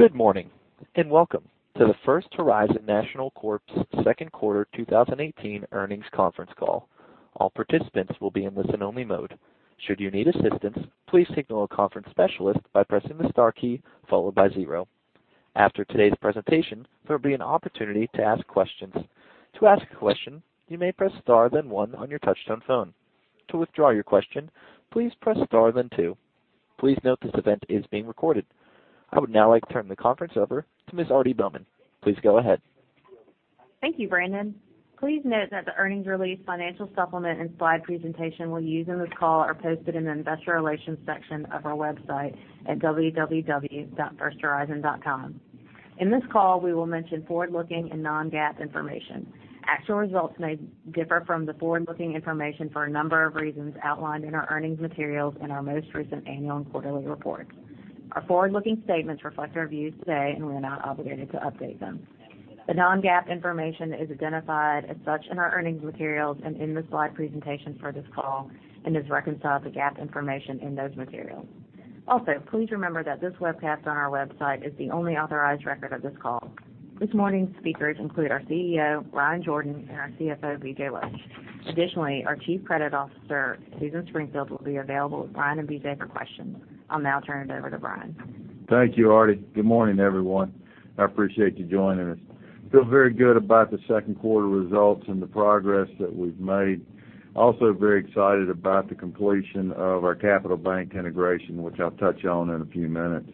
Good morning, welcome to the First Horizon National Corp's second quarter 2018 earnings conference call. All participants will be in listen-only mode. Should you need assistance, please signal a conference specialist by pressing the star key followed by 0. After today's presentation, there will be an opportunity to ask questions. To ask a question, you may press star then 1 on your touch-tone phone. To withdraw your question, please press star then 2. Please note this event is being recorded. I would now like to turn the conference over to Ms. Aarti Bowman. Please go ahead. Thank you, Brandon. Please note that the earnings release financial supplement and slide presentation we'll use in this call are posted in the investor relations section of our website at www.firsthorizon.com. In this call, we will mention forward-looking and non-GAAP information. Actual results may differ from the forward-looking information for a number of reasons outlined in our earnings materials and our most recent annual and quarterly reports. Our forward-looking statements reflect our views today, and we are not obligated to update them. The non-GAAP information is identified as such in our earnings materials and in the slide presentation for this call and is reconciled to GAAP information in those materials. Also, please remember that this webcast on our website is the only authorized record of this call. This morning's speakers include our CEO, Bryan Jordan, and our CFO, BJ Losch. Additionally, our Chief Credit Officer, Susan Springfield, will be available with Bryan and BJ for questions. I'll now turn it over to Bryan. Thank you, Aarti. Good morning, everyone. I appreciate you joining us. I feel very good about the second quarter results and the progress that we've made. I am also very excited about the completion of our Capital Bank integration, which I'll touch on in a few minutes.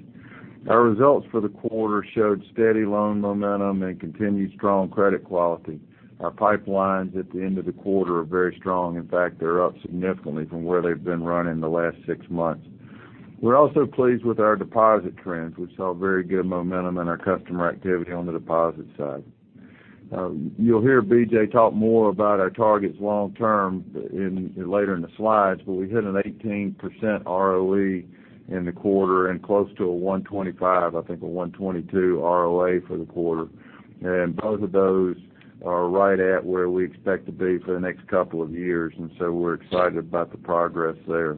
Our results for the quarter showed steady loan momentum and continued strong credit quality. Our pipelines at the end of the quarter are very strong. In fact, they're up significantly from where they've been running the last six months. We're also pleased with our deposit trends. We saw very good momentum in our customer activity on the deposit side. You'll hear BJ talk more about our targets long term later in the slides, but we hit an 18% ROE in the quarter and close to a 122 ROA for the quarter. Both of those are right at where we expect to be for the next couple of years. So we're excited about the progress there.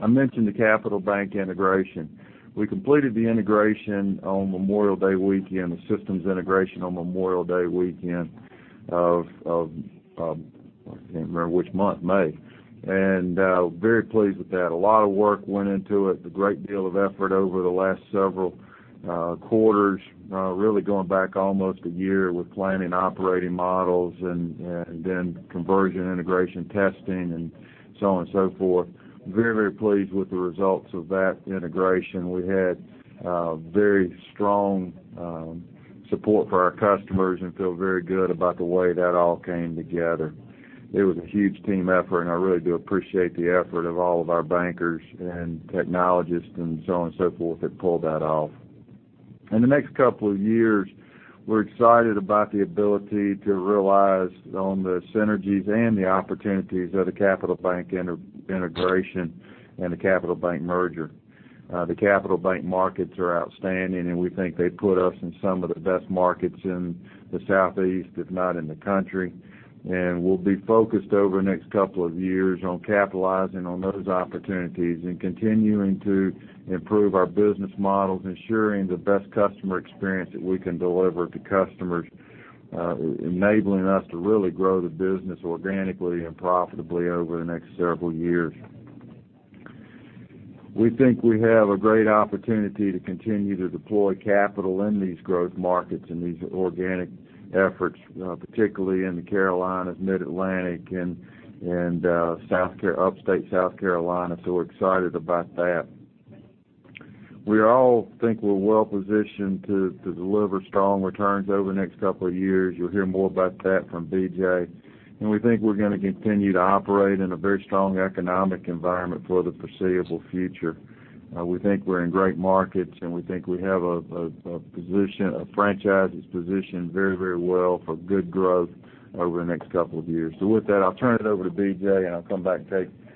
I mentioned the Capital Bank integration. We completed the integration on Memorial Day weekend, the systems integration on Memorial Day weekend of, I can't remember which month, May. Very pleased with that. A lot of work went into it, a great deal of effort over the last several quarters, really going back almost a year with planning operating models and then conversion, integration, testing, and so on and so forth. Very pleased with the results of that integration. We had very strong support for our customers and feel very good about the way that all came together. It was a huge team effort, I really do appreciate the effort of all of our bankers and technologists and so on and so forth that pulled that off. In the next couple of years, we're excited about the ability to realize on the synergies and the opportunities of the Capital Bank integration and the Capital Bank merger. The Capital Bank markets are outstanding, we think they put us in some of the best markets in the Southeast, if not in the country. We'll be focused over the next couple of years on capitalizing on those opportunities and continuing to improve our business models, ensuring the best customer experience that we can deliver to customers, enabling us to really grow the business organically and profitably over the next several years. We think we have a great opportunity to continue to deploy capital in these growth markets and these organic efforts, particularly in the Carolinas, Mid-Atlantic, and Upstate South Carolina. We're excited about that. We all think we're well positioned to deliver strong returns over the next couple of years. You'll hear more about that from BJ. We think we're going to continue to operate in a very strong economic environment for the foreseeable future. We think we're in great markets, we think we have a franchise that's positioned very well for good growth over the next couple of years. With that, I'll turn it over to BJ, I'll come back and take a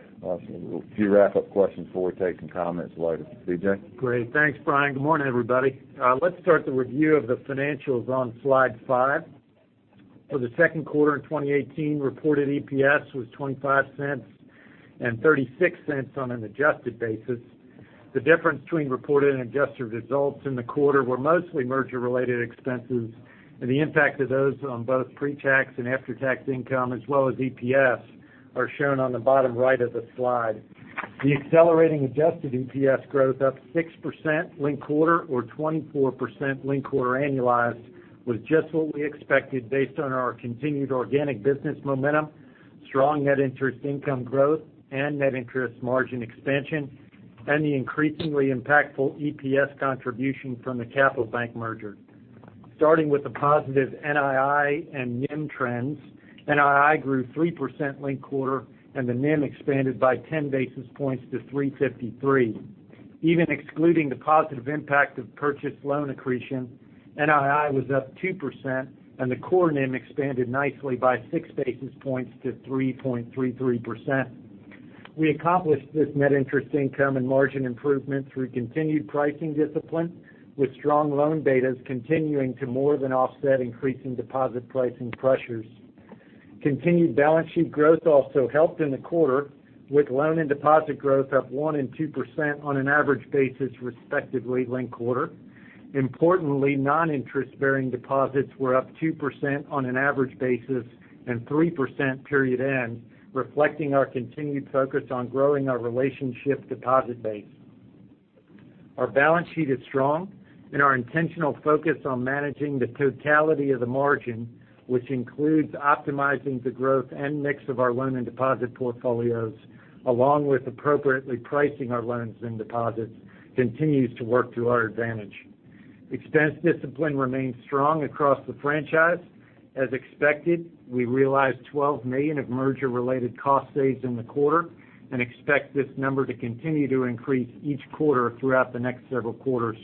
few wrap-up questions before we take some comments later. BJ? Great. Thanks, Bryan. Good morning, everybody. Let's start the review of the financials on Slide five. For the second quarter in 2018, reported EPS was $0.25 and $0.36 on an adjusted basis. The difference between reported and adjusted results in the quarter were mostly merger-related expenses, the impact of those on both pre-tax and after-tax income, as well as EPS, are shown on the bottom right of the slide. The accelerating adjusted EPS growth, up 6% linked quarter or 24% linked quarter annualized, was just what we expected based on our continued organic business momentum, strong net interest income growth and net interest margin expansion, the increasingly impactful EPS contribution from the Capital Bank merger. Starting with the positive NII and NIM trends, NII grew 3% linked quarter, the NIM expanded by 10 basis points to 353. Even excluding the positive impact of purchased loan accretion, NII was up 2%, and the core NIM expanded nicely by six basis points to 3.33%. We accomplished this net interest income and margin improvement through continued pricing discipline, with strong loan betas continuing to more than offset increasing deposit pricing pressures. Continued balance sheet growth also helped in the quarter, with loan and deposit growth up 1% and 2% on an average basis respectively linked quarter. Importantly, non-interest-bearing deposits were up 2% on an average basis and 3% period end, reflecting our continued focus on growing our relationship deposit base. Our balance sheet is strong, and our intentional focus on managing the totality of the margin, which includes optimizing the growth and mix of our loan and deposit portfolios, along with appropriately pricing our loans and deposits, continues to work to our advantage. Expense discipline remains strong across the franchise. As expected, we realized $12 million of merger-related cost saves in the quarter and expect this number to continue to increase each quarter throughout the next several quarters.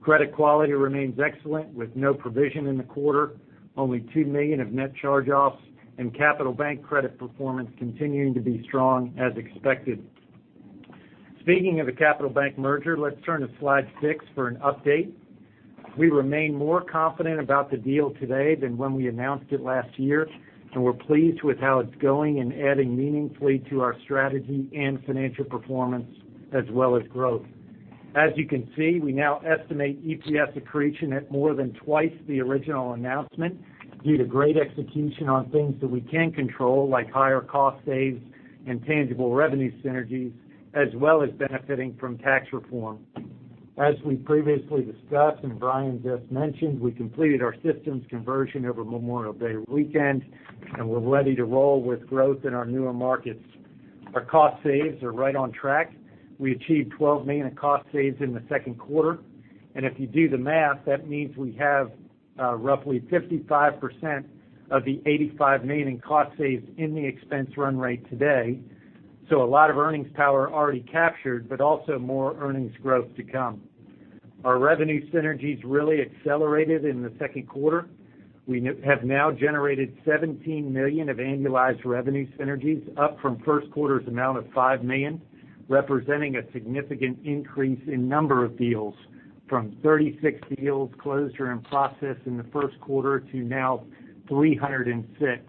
Credit quality remains excellent, with no provision in the quarter, only $2 million of net charge-offs, and Capital Bank credit performance continuing to be strong as expected. Speaking of the Capital Bank merger, let's turn to slide six for an update. We remain more confident about the deal today than when we announced it last year, and we're pleased with how it's going and adding meaningfully to our strategy and financial performance, as well as growth. As you can see, we now estimate EPS accretion at more than twice the original announcement due to great execution on things that we can control, like higher cost saves and tangible revenue synergies, as well as benefiting from tax reform. As we previously discussed, Bryan just mentioned, we completed our systems conversion over Memorial Day weekend, and we're ready to roll with growth in our newer markets. Our cost saves are right on track. We achieved $12 million of cost saves in the second quarter. If you do the math, that means we have roughly 55% of the $85 million in cost saves in the expense run rate today, a lot of earnings power already captured, but also more earnings growth to come. Our revenue synergies really accelerated in the second quarter. We have now generated $17 million of annualized revenue synergies, up from first quarter's amount of $5 million, representing a significant increase in number of deals from 36 deals closed or in process in the first quarter to now 306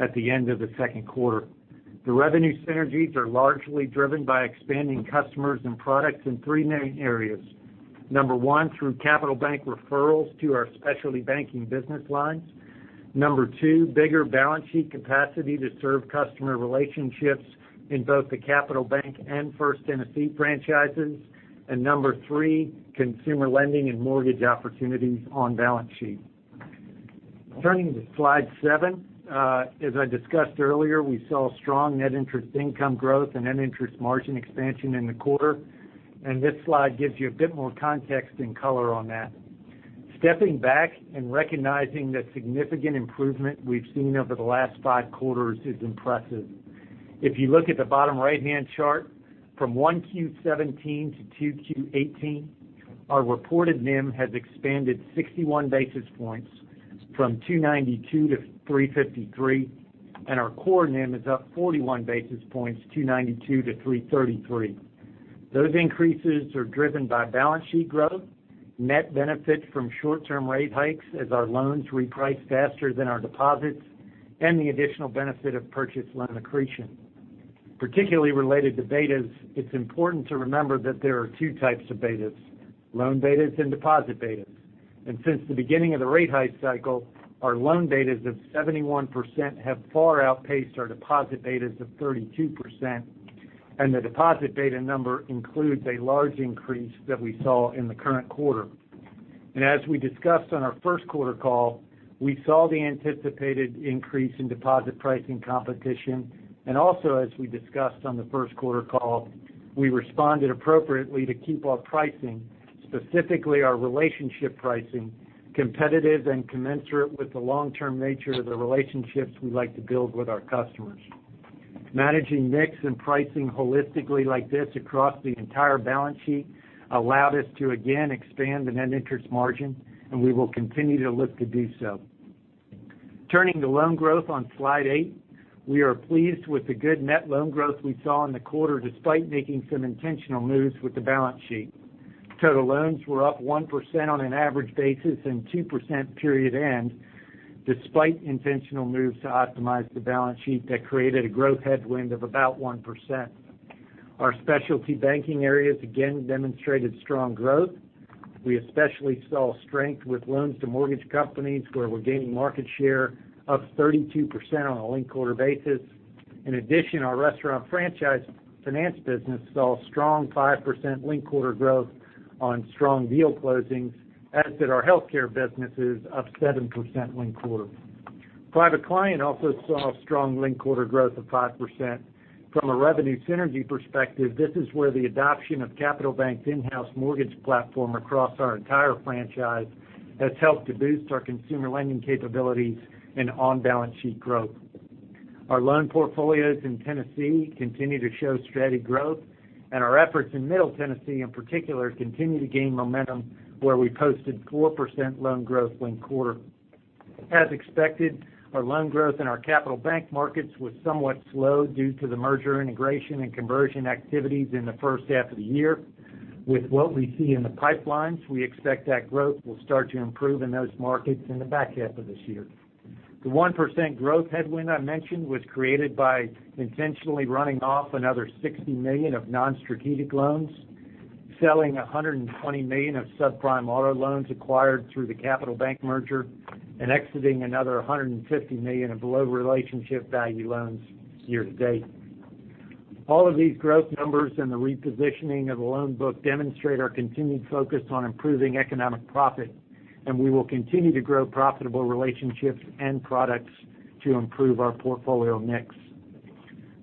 at the end of the second quarter. The revenue synergies are largely driven by expanding customers and products in three main areas. Number one, through Capital Bank referrals to our specialty banking business lines. Number two, bigger balance sheet capacity to serve customer relationships in both the Capital Bank and First Tennessee franchises. Number three, consumer lending and mortgage opportunities on balance sheet. Turning to slide seven. As I discussed earlier, we saw strong net interest income growth and net interest margin expansion in the quarter. This slide gives you a bit more context and color on that. Stepping back and recognizing the significant improvement we've seen over the last five quarters is impressive. If you look at the bottom right-hand chart, from 1Q17 to 2Q18, our reported NIM has expanded 61 basis points from 292 to 353, and our core NIM is up 41 basis points, 292 to 333. Those increases are driven by balance sheet growth, net benefit from short-term rate hikes as our loans reprice faster than our deposits, and the additional benefit of purchase loan accretion. Particularly related to betas, it is important to remember that there are two types of betas, loan betas and deposit betas. Since the beginning of the rate hike cycle, our loan betas of 71% have far outpaced our deposit betas of 32%, and the deposit beta number includes a large increase that we saw in the current quarter. As we discussed on our first quarter call, we saw the anticipated increase in deposit pricing competition, and also as we discussed on the first quarter call, we responded appropriately to keep our pricing, specifically our relationship pricing, competitive and commensurate with the long-term nature of the relationships we like to build with our customers. Managing mix and pricing holistically like this across the entire balance sheet allowed us to again expand the net interest margin. We will continue to look to do so. Turning to loan growth on slide eight. We are pleased with the good net loan growth we saw in the quarter, despite making some intentional moves with the balance sheet. Total loans were up 1% on an average basis and 2% period end, despite intentional moves to optimize the balance sheet that created a growth headwind of about 1%. Our specialty banking areas again demonstrated strong growth. We especially saw strength with loans to mortgage companies, where we're gaining market share, up 32% on a linked quarter basis. In addition, our restaurant franchise finance business saw strong 5% linked quarter growth on strong deal closings, as did our healthcare businesses, up 7% linked quarter. Private client also saw strong linked quarter growth of 5%. From a revenue synergy perspective, this is where the adoption of Capital Bank's in-house mortgage platform across our entire franchise has helped to boost our consumer lending capabilities and on-balance sheet growth. Our loan portfolios in Tennessee continue to show steady growth, and our efforts in Middle Tennessee, in particular, continue to gain momentum, where we posted 4% loan growth linked quarter. As expected, our loan growth in our Capital Bank markets was somewhat slow due to the merger integration and conversion activities in the first half of the year. With what we see in the pipelines, we expect that growth will start to improve in those markets in the back half of this year. The 1% growth headwind I mentioned was created by intentionally running off another $60 million of non-strategic loans, selling $120 million of subprime auto loans acquired through the Capital Bank merger, and exiting another $150 million of low relationship value loans year to date. All of these growth numbers and the repositioning of the loan book demonstrate our continued focus on improving economic profit. We will continue to grow profitable relationships and products to improve our portfolio mix.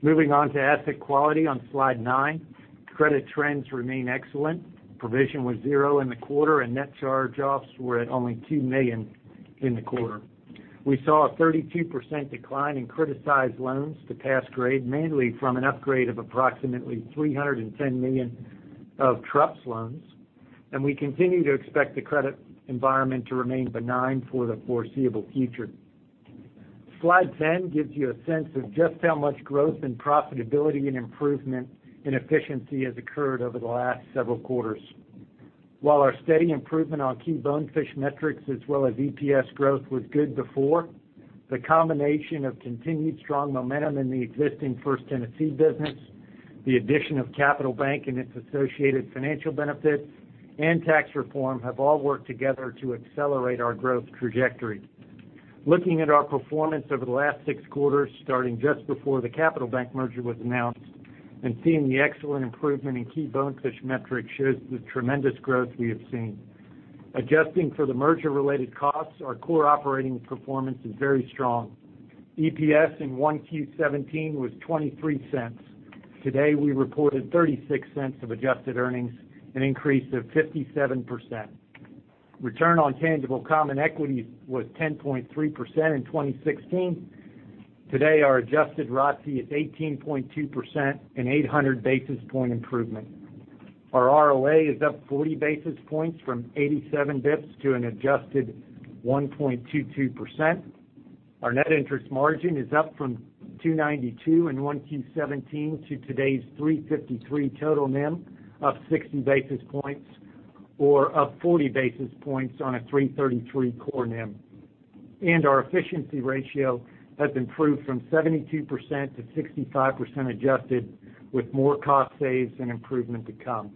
Moving on to asset quality on Slide nine. Credit trends remain excellent. Provision was zero in the quarter, and net charge-offs were at only $2 million in the quarter. We saw a 32% decline in criticized loans to past grade, mainly from an upgrade of approximately $310 million of TruPS loans. We continue to expect the credit environment to remain benign for the foreseeable future. Slide 10 gives you a sense of just how much growth and profitability and improvement in efficiency has occurred over the last several quarters. While our steady improvement on key BancAnalysts metrics as well as EPS growth was good before, the combination of continued strong momentum in the existing First Tennessee business, the addition of Capital Bank and its associated financial benefits, and tax reform have all worked together to accelerate our growth trajectory. Looking at our performance over the last six quarters, starting just before the Capital Bank merger was announced and seeing the excellent improvement in key BancAnalysts metrics shows the tremendous growth we have seen. Adjusting for the merger-related costs, our core operating performance is very strong. EPS in 1Q '17 was $0.23. Today, we reported $0.36 of adjusted earnings, an increase of 57%. Return on tangible common equity was 10.3% in 2016. Today, our adjusted ROTCE is 18.2%, an 800-basis point improvement. Our ROA is up 40 basis points from 87 basis points to an adjusted 1.22%. Our net interest margin is up from 292 basis points in 1Q '17 to today's 353 basis points total NIM, up 60 basis points or up 40 basis points on a 333 basis points core NIM. Our efficiency ratio has improved from 72% to 65% adjusted, with more cost saves and improvement to come.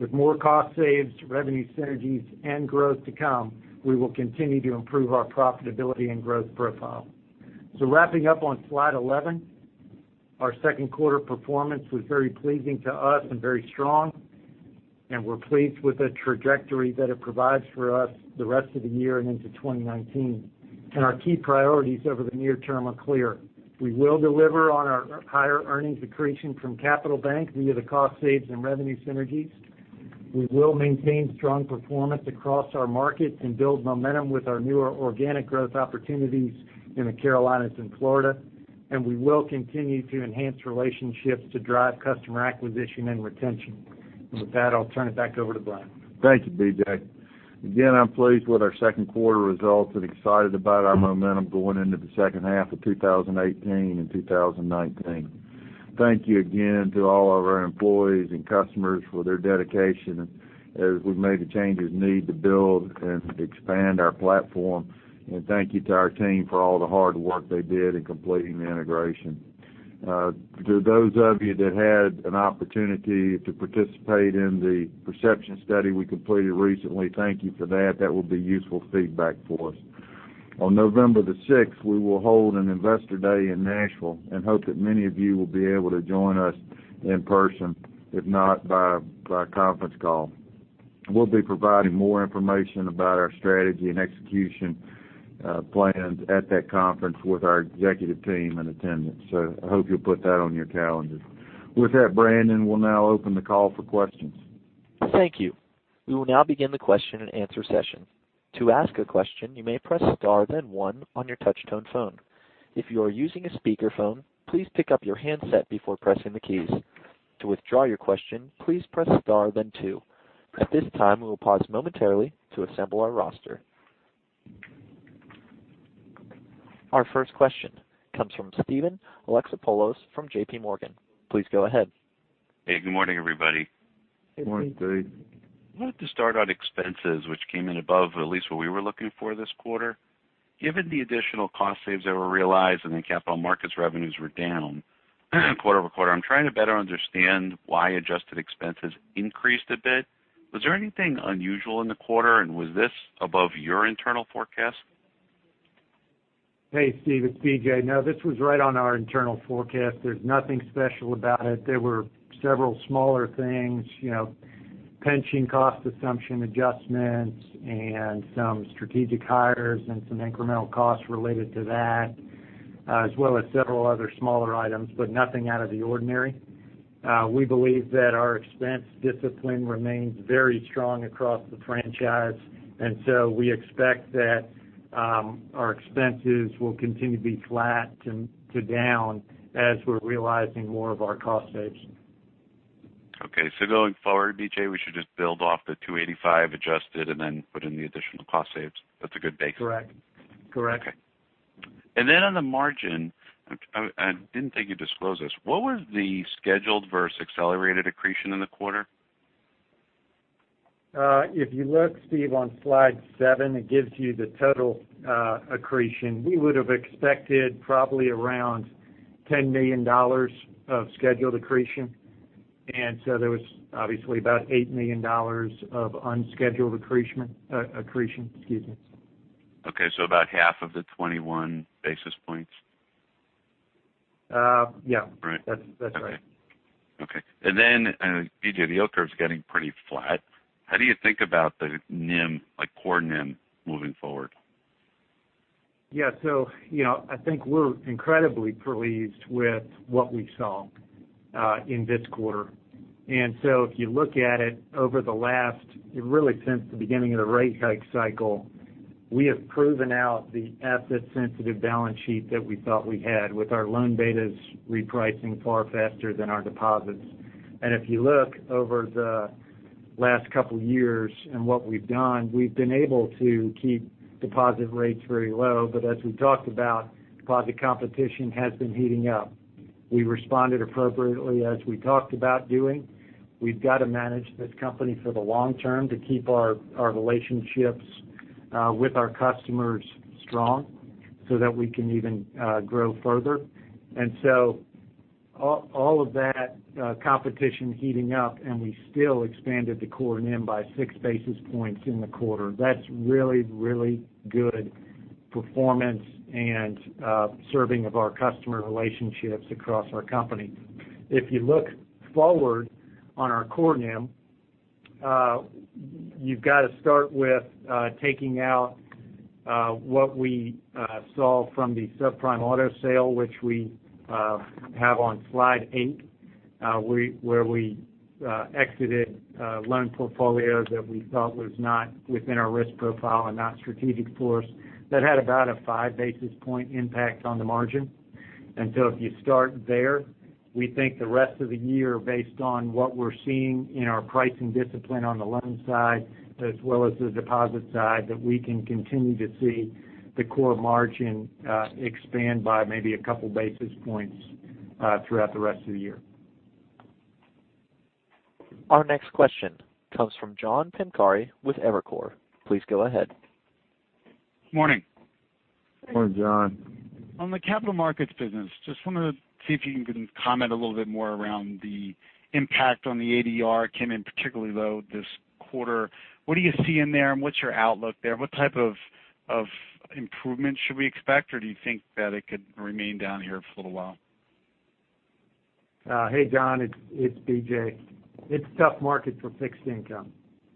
With more cost saves, revenue synergies, and growth to come, we will continue to improve our profitability and growth profile. Wrapping up on Slide 11, our second quarter performance was very pleasing to us and very strong, and we're pleased with the trajectory that it provides for us the rest of the year and into 2019. Our key priorities over the near term are clear. We will deliver on our higher earnings accretion from Capital Bank via the cost saves and revenue synergies. We will maintain strong performance across our markets and build momentum with our newer organic growth opportunities in the Carolinas and Florida. We will continue to enhance relationships to drive customer acquisition and retention. With that, I'll turn it back over to Bryan. Thank you, BJ. Again, I'm pleased with our second quarter results and excited about our momentum going into the second half of 2018 and 2019. Thank you again to all of our employees and customers for their dedication as we've made the changes needed to build and expand our platform. Thank you to our team for all the hard work they did in completing the integration. To those of you that had an opportunity to participate in the perception study we completed recently, thank you for that. That will be useful feedback for us. On November the 6th, we will hold an investor day in Nashville and hope that many of you will be able to join us in person, if not, via conference call. We'll be providing more information about our strategy and execution plans at that conference with our executive team in attendance. I hope you'll put that on your calendars. With that, Brandon, we will now open the call for questions. Thank you. We will now begin the question and answer session. To ask a question, you may press star then one on your touch-tone phone. If you are using a speakerphone, please pick up your handset before pressing the keys. To withdraw your question, please press star then two. At this time, we will pause momentarily to assemble our roster. Our first question comes from Steven Alexopoulos from JPMorgan. Please go ahead. Hey, good morning, everybody. Good morning, Steve. Good morning. I wanted to start on expenses, which came in above at least what we were looking for this quarter. Given the additional cost saves that were realized and the capital markets revenues were down quarter-over-quarter, I'm trying to better understand why adjusted expenses increased a bit? Was there anything unusual in the quarter, and was this above your internal forecast? Hey, Steven, it's BJ. This was right on our internal forecast. There's nothing special about it. There were several smaller things, pension cost assumption adjustments and some strategic hires and some incremental costs related to that, as well as several other smaller items, but nothing out of the ordinary. We believe that our expense discipline remains very strong across the franchise. We expect that our expenses will continue to be flat to down as we're realizing more of our cost saves. Going forward, BJ, we should just build off the $285 adjusted and then put in the additional cost saves. That's a good basis. Correct. Okay. On the margin, I didn't think you disclosed this. What was the scheduled versus accelerated accretion in the quarter? If you look, Steve, on slide seven, it gives you the total accretion. We would have expected probably around $10 million of scheduled accretion. There was obviously about $8 million of unscheduled accretion. Excuse me. Okay. About half of the 21 basis points. Yes. Right. That's right. Okay. BJ, the yield curve's getting pretty flat. How do you think about the NIM, like core NIM moving forward? Yes. I think we're incredibly pleased with what we saw in this quarter. If you look at it over the last, really since the beginning of the rate hike cycle, we have proven out the asset sensitive balance sheet that we thought we had with our loan betas repricing far faster than our deposits. If you look over the last couple years and what we've done, we've been able to keep deposit rates very low. As we talked about, deposit competition has been heating up. We responded appropriately as we talked about doing. We've got to manage this company for the long term to keep our relationships with our customers strong so that we can even grow further. All of that competition heating up, and we still expanded the core NIM by six basis points in the quarter. That's really, really good performance and serving of our customer relationships across our company. If you look forward on our core NIM, you've got to start with taking out what we saw from the subprime auto sale, which we have on slide eight where we exited a loan portfolio that we thought was not within our risk profile and not strategic for us. That had about a five basis point impact on the margin. If you start there, we think the rest of the year, based on what we're seeing in our pricing discipline on the loan side as well as the deposit side, that we can continue to see the core margin expand by maybe a couple basis points throughout the rest of the year. Our next question comes from John Pancari with Evercore. Please go ahead. Morning. Morning, John. On the capital markets business, just wanted to see if you can comment a little bit more around the impact on the ADR came in particularly low this quarter. What do you see in there, and what's your outlook there? What type of improvements should we expect, or do you think that it could remain down here for a little while? Hey, John, it's BJ. It's a tough market for fixed income.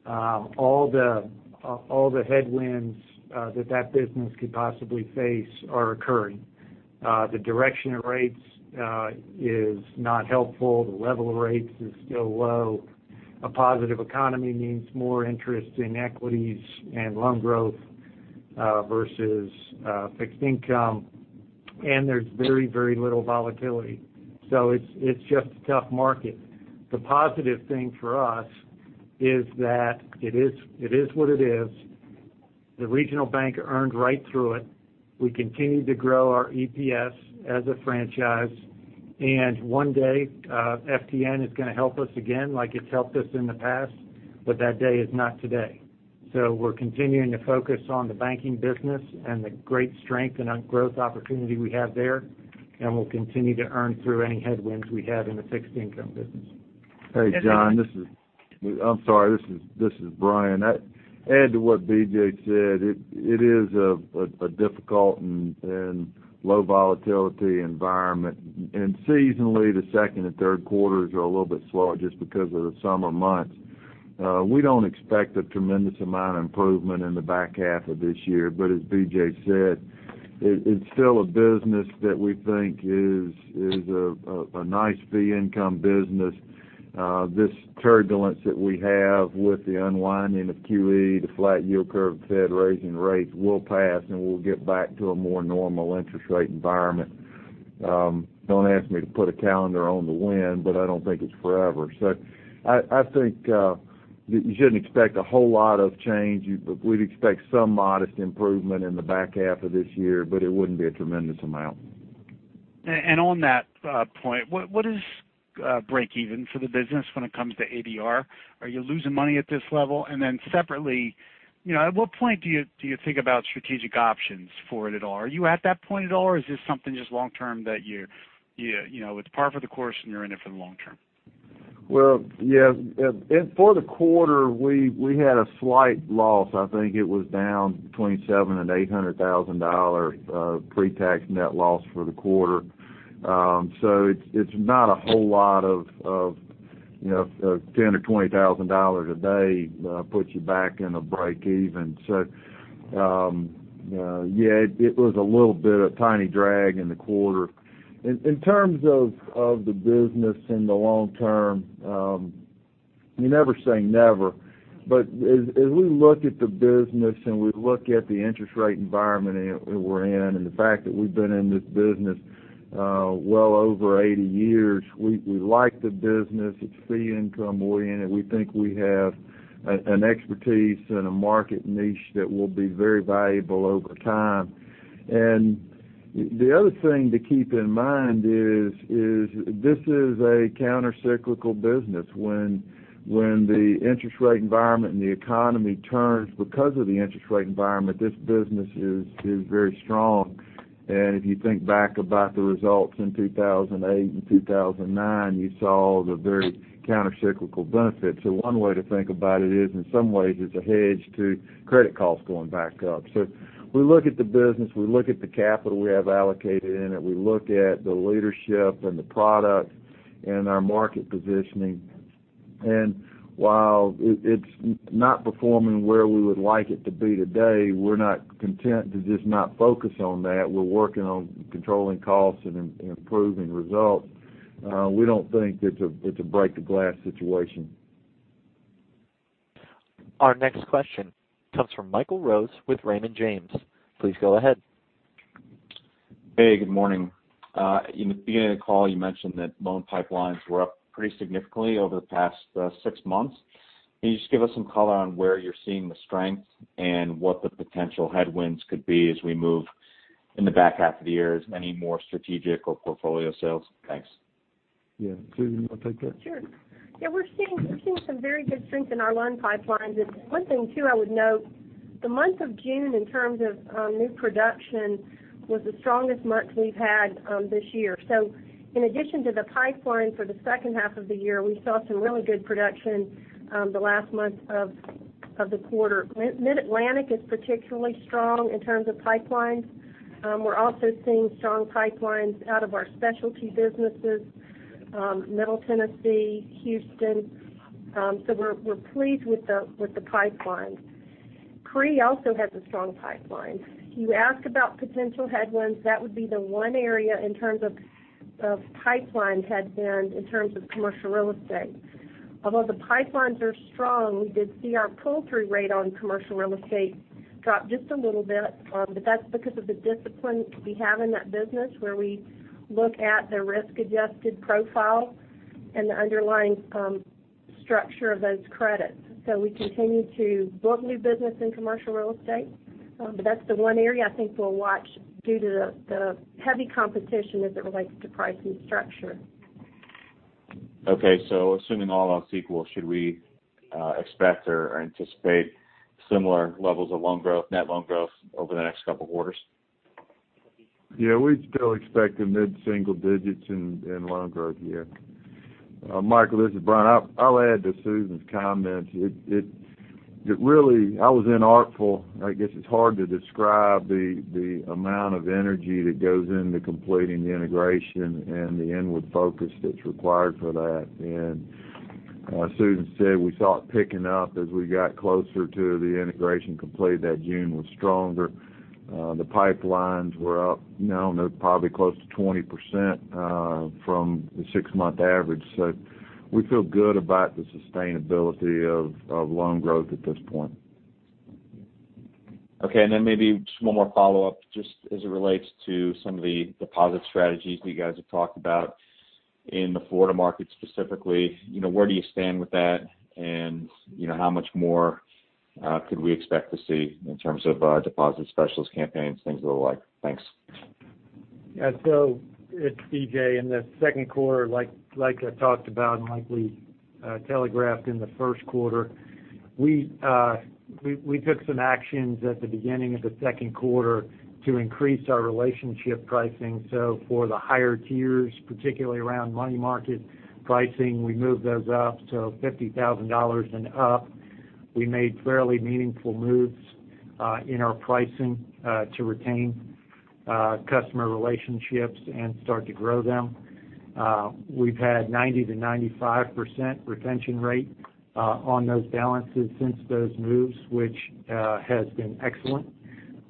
All the headwinds that that business could possibly face are occurring. The direction of rates is not helpful. The level of rates is still low. A positive economy means more interest in equities and loan growth versus fixed income. There's very, very little volatility. It's just a tough market. The positive thing for us is that it is what it is. The regional bank earned right through it. We continue to grow our EPS as a franchise. One day, FTN is going to help us again like it's helped us in the past, but that day is not today. We're continuing to focus on the banking business and the great strength and growth opportunity we have there, and we'll continue to earn through any headwinds we have in the fixed income business. Hey, John. I'm sorry. This is Bryan. To add to what BJ said, it is a difficult and low volatility environment. Seasonally, the second and third quarters are a little bit slower just because of the summer months. We don't expect a tremendous amount of improvement in the back half of this year, as BJ said, it's still a business that we think is a nice fee income business. This turbulence that we have with the unwinding of QE, the flat yield curve, Fed raising rates will pass, and we'll get back to a more normal interest rate environment. Don't ask me to put a calendar on the when, but I don't think it's forever. I think you shouldn't expect a whole lot of change. We'd expect some modest improvement in the back half of this year, but it wouldn't be a tremendous amount. On that point, what is break even for the business when it comes to ADR? Are you losing money at this level? Separately, at what point do you think about strategic options for it at all? Are you at that point at all, or is this something just long term that it's par for the course, and you're in it for the long term? Well, yes. For the quarter, we had a slight loss. I think it was down between $700,000 and $800,000 pre-tax net loss for the quarter. It's not a whole lot of $10,000-$20,000 a day puts you back in a break even. Yes, it was a little bit of tiny drag in the quarter. In terms of the business in the long term, you never say never. As we look at the business and we look at the interest rate environment that we're in, and the fact that we've been in this business well over 80 years, we like the business. It's fee income. We're in it. We think we have an expertise and a market niche that will be very valuable over time. The other thing to keep in mind is, this is a countercyclical business. When the interest rate environment and the economy turns because of the interest rate environment, this business is very strong. If you think back about the results in 2008 and 2009, you saw the very countercyclical benefit. One way to think about it is, in some ways, it's a hedge to credit costs going back up. We look at the business, we look at the capital we have allocated in it, we look at the leadership and the product and our market positioning. While it's not performing where we would like it to be today, we're not content to just not focus on that. We're working on controlling costs and improving results. We don't think it's a break the glass situation. Our next question comes from Michael Rose with Raymond James. Please go ahead. Hey, good morning. In the beginning of the call, you mentioned that loan pipelines were up pretty significantly over the past six months. Can you just give us some color on where you're seeing the strength and what the potential headwinds could be as we move in the back half of the year? Any more strategic or portfolio sales? Thanks. Yeah. Susan, you want to take that? Sure. Yeah, we're seeing some very good strength in our loan pipelines. One thing too I would note, the month of June in terms of new production was the strongest month we've had this year. In addition to the pipeline for the second half of the year, we saw some really good production the last month of the quarter. Mid-Atlantic is particularly strong in terms of pipelines. We're also seeing strong pipelines out of our specialty businesses, Middle Tennessee, Houston. We're pleased with the pipelines. CRE also has a strong pipeline. You asked about potential headwinds, that would be the one area in terms of pipeline headwind in terms of commercial real estate. Although the pipelines are strong, we did see our pull-through rate on commercial real estate drop just a little bit, but that's because of the discipline we have in that business, where we look at the risk-adjusted profile and the underlying structure of those credits. We continue to book new business in commercial real estate. That's the one area I think we'll watch due to the heavy competition as it relates to pricing structure. Okay. Assuming all else equal, should we expect or anticipate similar levels of net loan growth over the next couple of quarters? Yeah, we still expect the mid-single digits in loan growth, yeah. Michael, this is Bryan. I'll add to Susan's comment. I was in. [inaudible] I guess it's hard to describe the amount of energy that goes into completing the integration and the inward focus that's required for that. As Susan said, we saw it picking up as we got closer to the integration complete, that June was stronger. The pipelines were up, probably close to 20% from the six-month average. We feel good about the sustainability of loan growth at this point. Okay, then maybe just one more follow-up just as it relates to some of the deposit strategies that you guys have talked about in the Florida market specifically. Where do you stand with that, and how much more could we expect to see in terms of deposit specialist campaigns, things of the like? Thanks. Yeah, it's BJ. In the second quarter, like I talked about and like we telegraphed in the first quarter, we took some actions at the beginning of the second quarter to increase our relationship pricing. For the higher tiers, particularly around money market pricing, we moved those up to $50,000 and up. We made fairly meaningful moves in our pricing to retain customer relationships and start to grow them. We've had 90%-95% retention rate on those balances since those moves, which has been excellent.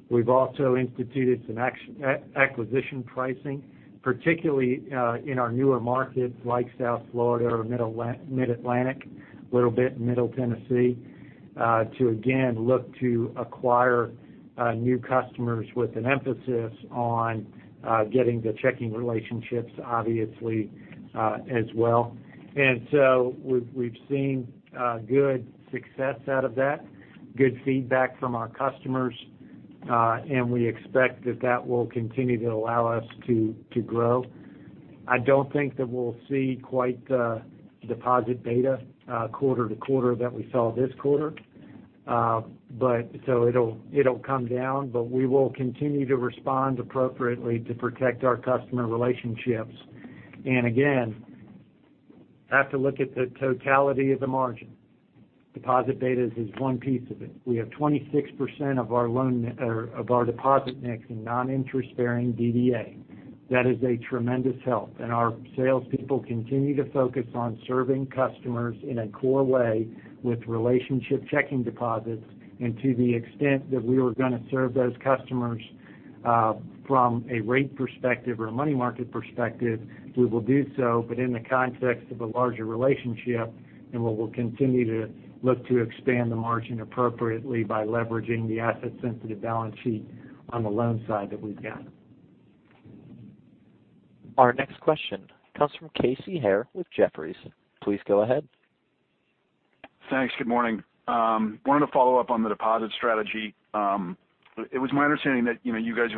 We've also instituted some acquisition pricing, particularly in our newer markets like South Florida or Mid-Atlantic, little bit in Middle Tennessee, to again look to acquire new customers with an emphasis on getting the checking relationships, obviously, as well. We've seen good success out of that, good feedback from our customers. We expect that that will continue to allow us to grow. I don't think that we'll see quite the deposit beta quarter to quarter that we saw this quarter. It'll come down, but we will continue to respond appropriately to protect our customer relationships. Again, have to look at the totality of the margin. Deposit betas is one piece of it. We have 26% of our deposit mix in non-interest-bearing DDA. That is a tremendous help. Our salespeople continue to focus on serving customers in a core way with relationship checking deposits. To the extent that we are going to serve those customers from a rate perspective or a money market perspective, we will do so, but in the context of a larger relationship. We will continue to look to expand the margin appropriately by leveraging the asset-sensitive balance sheet on the loan side that we've got. Our next question comes from Casey Haire with Jefferies. Please go ahead. Thanks. Good morning. Wanted to follow up on the deposit strategy. It was my understanding that you guys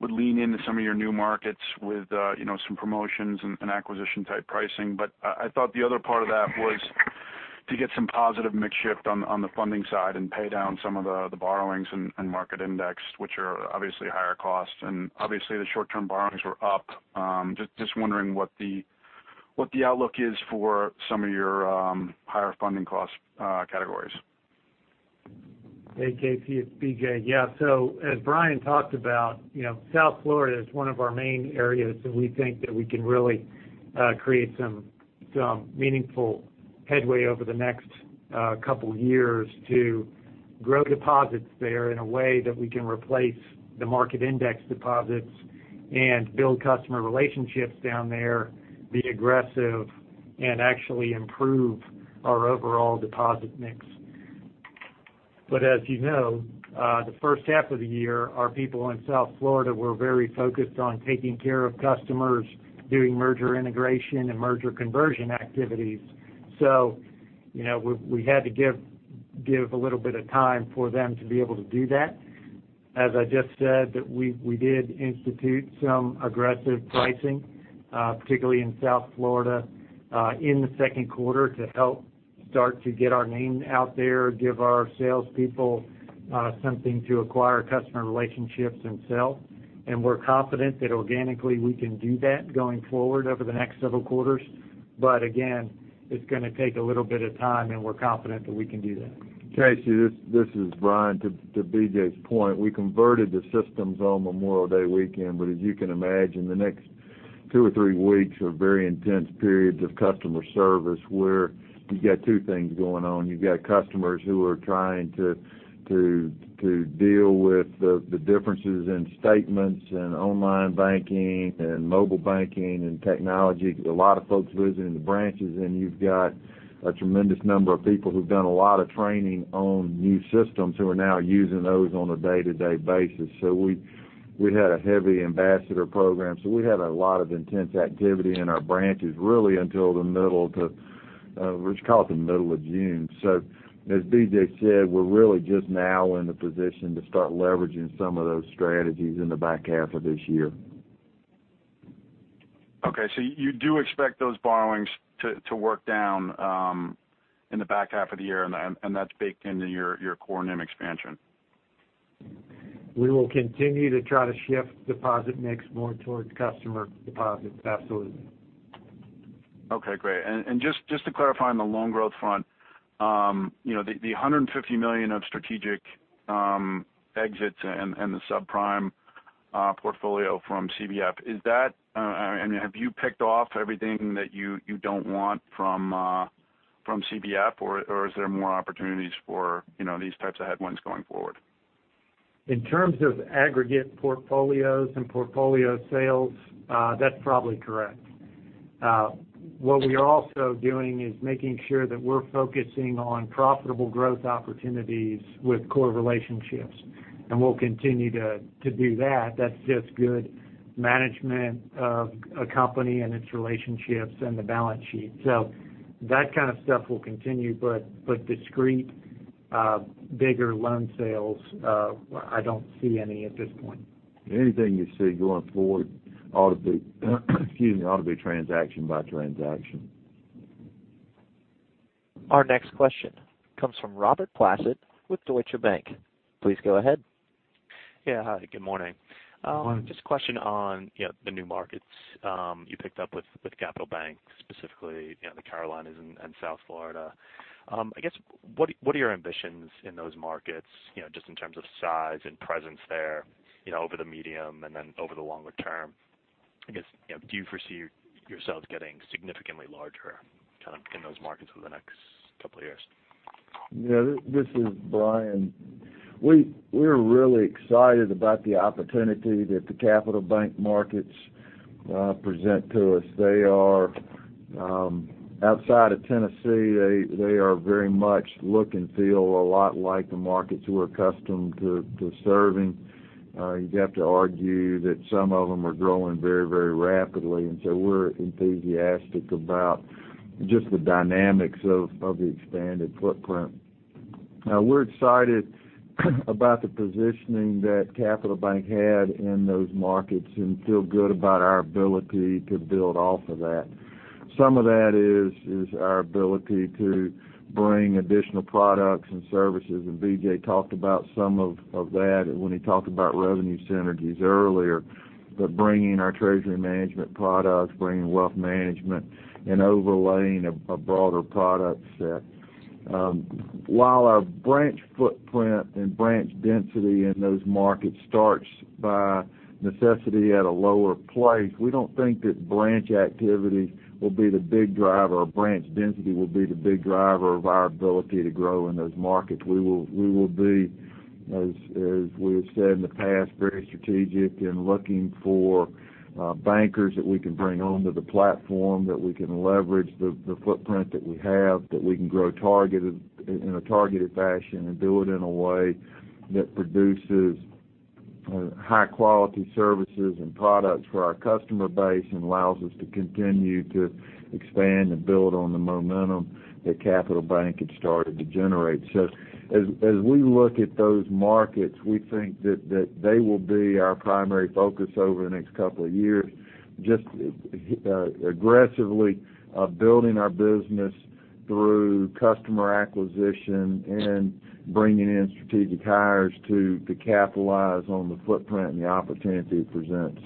would lean into some of your new markets with some promotions and acquisition type pricing. I thought the other part of that was to get some positive mix shift on the funding side and pay down some of the borrowings and market index, which are obviously higher costs. Obviously, the short-term borrowings were up. Just wondering what the outlook is for some of your higher funding cost categories. Hey, Casey, it's BJ. As Bryan talked about, South Florida is one of our main areas that we think that we can really create some meaningful headway over the next couple of years to grow deposits there in a way that we can replace the market index deposits and build customer relationships down there, be aggressive, and actually improve our overall deposit mix. As you know, the first half of the year, our people in South Florida were very focused on taking care of customers doing merger integration and merger conversion activities. We had to give a little bit of time for them to be able to do that. As I just said, that we did institute some aggressive pricing, particularly in South Florida, in Q2 to help start to get our name out there, give our salespeople something to acquire customer relationships and sell. We're confident that organically we can do that going forward over the next several quarters. Again, it's going to take a little bit of time, and we're confident that we can do that. Casey, this is Bryan. To BJ's point, we converted the systems on Memorial Day weekend, as you can imagine, the next two or three weeks are very intense periods of customer service where you've got two things going on. You've got customers who are trying to deal with the differences in statements and online banking and mobile banking and technology. A lot of folks visiting the branches, and you've got a tremendous number of people who've done a lot of training on new systems who are now using those on a day-to-day basis. We had a heavy ambassador program. We had a lot of intense activity in our branches, really until the middle of June. As BJ said, we're really just now in the position to start leveraging some of those strategies in the back half of this year. You do expect those borrowings to work down in the back half of the year, and that's baked into your core NIM expansion. We will continue to try to shift deposit mix more towards customer deposits, absolutely. Okay, great. Just to clarify on the loan growth front, the $150 million of strategic exits and the subprime portfolio from CBF, have you picked off everything that you don't want from CBF? Is there more opportunities for these types of headwinds going forward? In terms of aggregate portfolios and portfolio sales, that's probably correct. What we are also doing is making sure that we're focusing on profitable growth opportunities with core relationships, and we'll continue to do that. That's just good management of a company and its relationships and the balance sheet. That kind of stuff will continue, but discrete bigger loan sales, I don't see any at this point. Anything you see going forward ought to be transaction by transaction. Our next question comes from Robert Placet with Deutsche Bank. Please go ahead. Yeah. Hi, good morning. Good morning. Just a question on the new markets you picked up with Capital Bank, specifically the Carolinas and South Florida. I guess, what are your ambitions in those markets, just in terms of size and presence there over the medium and then over the longer term? I guess, do you foresee yourselves getting significantly larger in those markets over the next couple of years? This is Bryan. We're really excited about the opportunity that the Capital Bank markets present to us. Outside of Tennessee, they very much look and feel a lot like the markets we're accustomed to serving. You'd have to argue that some of them are growing very rapidly. We're enthusiastic about just the dynamics of the expanded footprint. We're excited about the positioning that Capital Bank had in those markets and feel good about our ability to build off of that. Some of that is our ability to bring additional products and services, and BJ talked about some of that when he talked about revenue synergies earlier. Bringing our treasury management products, bringing wealth management, and overlaying a broader product set. While our branch footprint and branch density in those markets starts by necessity at a lower place, we don't think that branch activity will be the big driver, or branch density will be the big driver of our ability to grow in those markets. We will be, as we have said in the past, very strategic in looking for bankers that we can bring onto the platform, that we can leverage the footprint that we have, that we can grow in a targeted fashion and do it in a way that produces high quality services and products for our customer base and allows us to continue to expand and build on the momentum that Capital Bank had started to generate. As we look at those markets, we think that they will be our primary focus over the next couple of years, just aggressively building our business through customer acquisition and bringing in strategic hires to capitalize on the footprint and the opportunity it presents.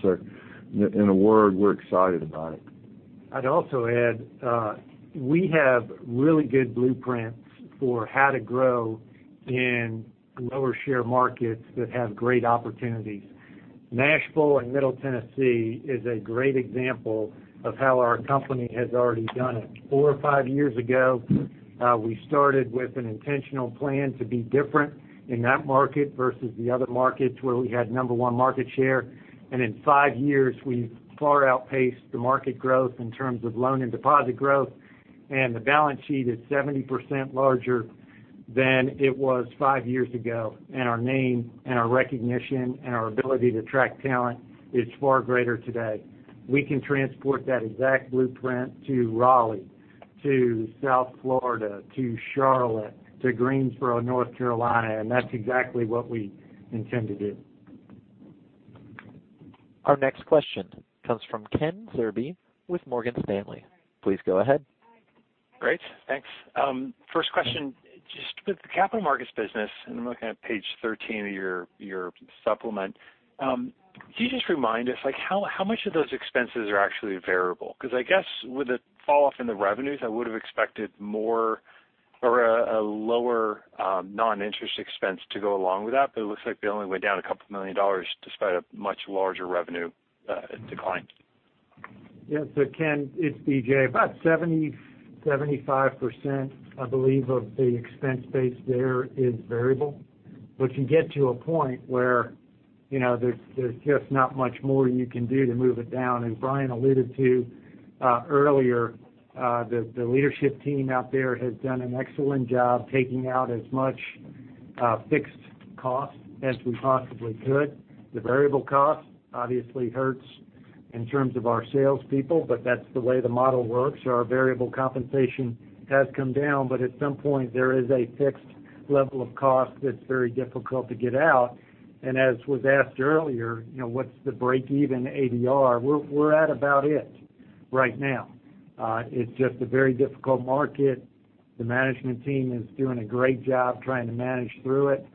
In a word, we're excited about it. I'd also add, we have really good blueprints for how to grow in lower share markets that have great opportunities. Nashville and Middle Tennessee is a great example of how our company has already done it. Four or five years ago, we started with an intentional plan to be different in that market versus the other markets where we had number one market share. In five years, we've far outpaced the market growth in terms of loan and deposit growth. The balance sheet is 70% larger than it was five years ago. Our name, and our recognition, and our ability to attract talent is far greater today. We can transport that exact blueprint to Raleigh, to South Florida, to Charlotte, to Greensboro, North Carolina, and that's exactly what we intend to do. Our next question comes from Kenneth Zerbe with Morgan Stanley. Please go ahead. Great. Thanks. First question, just with the capital markets business, and I'm looking at page 13 of your supplement. Can you just remind us, how much of those expenses are actually variable? I guess with the fall off in the revenues, I would've expected more or a lower non-interest expense to go along with that. It looks like they only went down a couple million dollars despite a much larger revenue decline. Yes. Ken, it's BJ. About 70, 75%, I believe, of the expense base there is variable. You get to a point where there's just not much more you can do to move it down. Bryan alluded to earlier, the leadership team out there has done an excellent job taking out as much fixed cost as we possibly could. The variable cost obviously hurts in terms of our salespeople, but that's the way the model works. Our variable compensation has come down, but at some point, there is a fixed level of cost that's very difficult to get out. As was asked earlier, what's the break-even ADR? We're at about it right now. It's just a very difficult market. The management team is doing a great job trying to manage through it.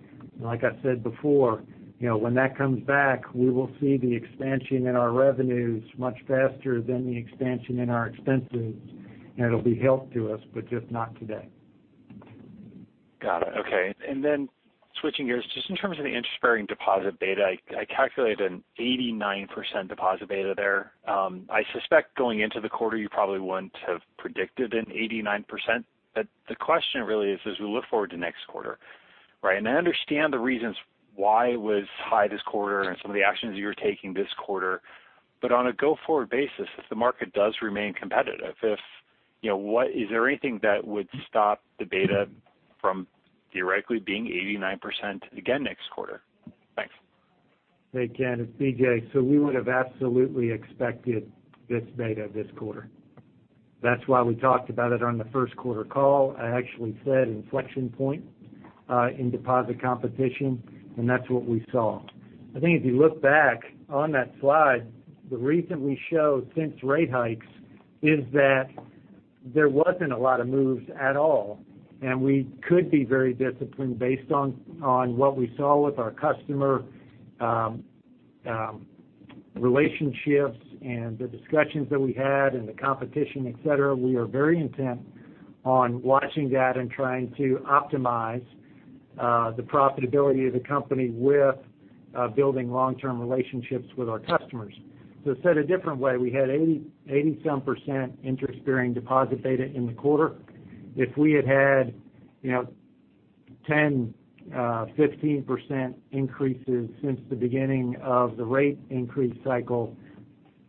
Like I said before, when that comes back, we will see the expansion in our revenues much faster than the expansion in our expenses, and it'll be help to us, but just not today. Got it. Okay. Switching gears, just in terms of the interest-bearing deposit beta, I calculated an 89% deposit beta there. I suspect going into the quarter, you probably wouldn't have predicted an 89%, the question really is, as we look forward to next quarter? I understand the reasons why it was high this quarter and some of the actions you're taking this quarter, but on a go-forward basis, if the market does remain competitive, is there anything that would stop the beta from theoretically being 89% again next quarter? Thanks. Hey, Ken, it's BJ. We would've absolutely expected this beta this quarter. That's why we talked about it on the first quarter call. I actually said inflection point in deposit competition, and that's what we saw. I think if you look back on that slide, the reason we show since rate hikes is that there wasn't a lot of moves at all, and we could be very disciplined based on what we saw with our customer relationships and the discussions that we had and the competition, et cetera. We are very intent on watching that and trying to optimize the profitability of the company with building long-term relationships with our customers. Said a different way, we had 80-some% interest-bearing deposit beta in the quarter. If we had had 10%, 15% increases since the beginning of the rate increase cycle,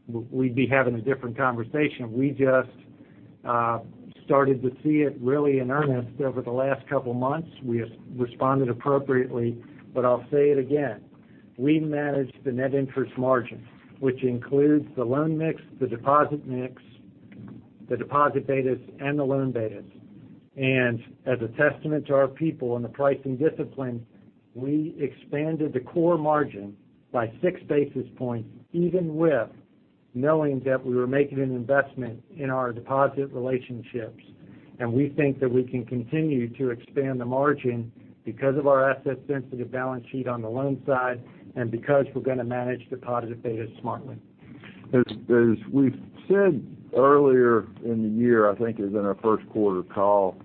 we'd be having a different conversation. We just started to see it really in earnest over the last couple of months. We responded appropriately, but I'll say it again, we manage the net interest margin, which includes the loan mix, the deposit mix, the deposit betas, and the loan betas. As a testament to our people and the pricing discipline, we expanded the core margin by six basis points, even with knowing that we were making an investment in our deposit relationships. We think that we can continue to expand the margin because of our asset sensitive balance sheet on the loan side and because we're going to manage deposit betas smartly. As we've said earlier in the year, I think it was in our first quarter call,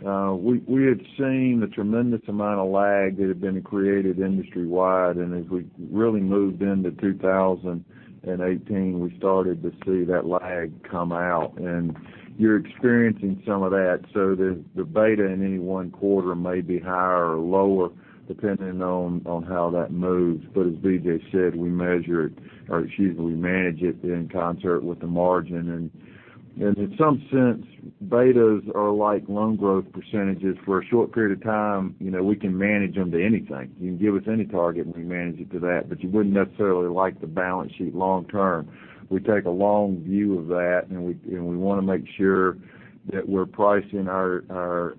we had seen the tremendous amount of lag that had been created industry wide, as we really moved into 2018, we started to see that lag come out. You're experiencing some of that. The beta in any one quarter may be higher or lower depending on how that moves. As BJ said, we measure it, or excuse me, we manage it in concert with the margin and in some sense, betas are like loan growth percentages for a short period of time. We can manage them to anything. You can give us any target, and we manage it to that, but you wouldn't necessarily like the balance sheet long term. We take a long view of that, we want to make sure that we're pricing our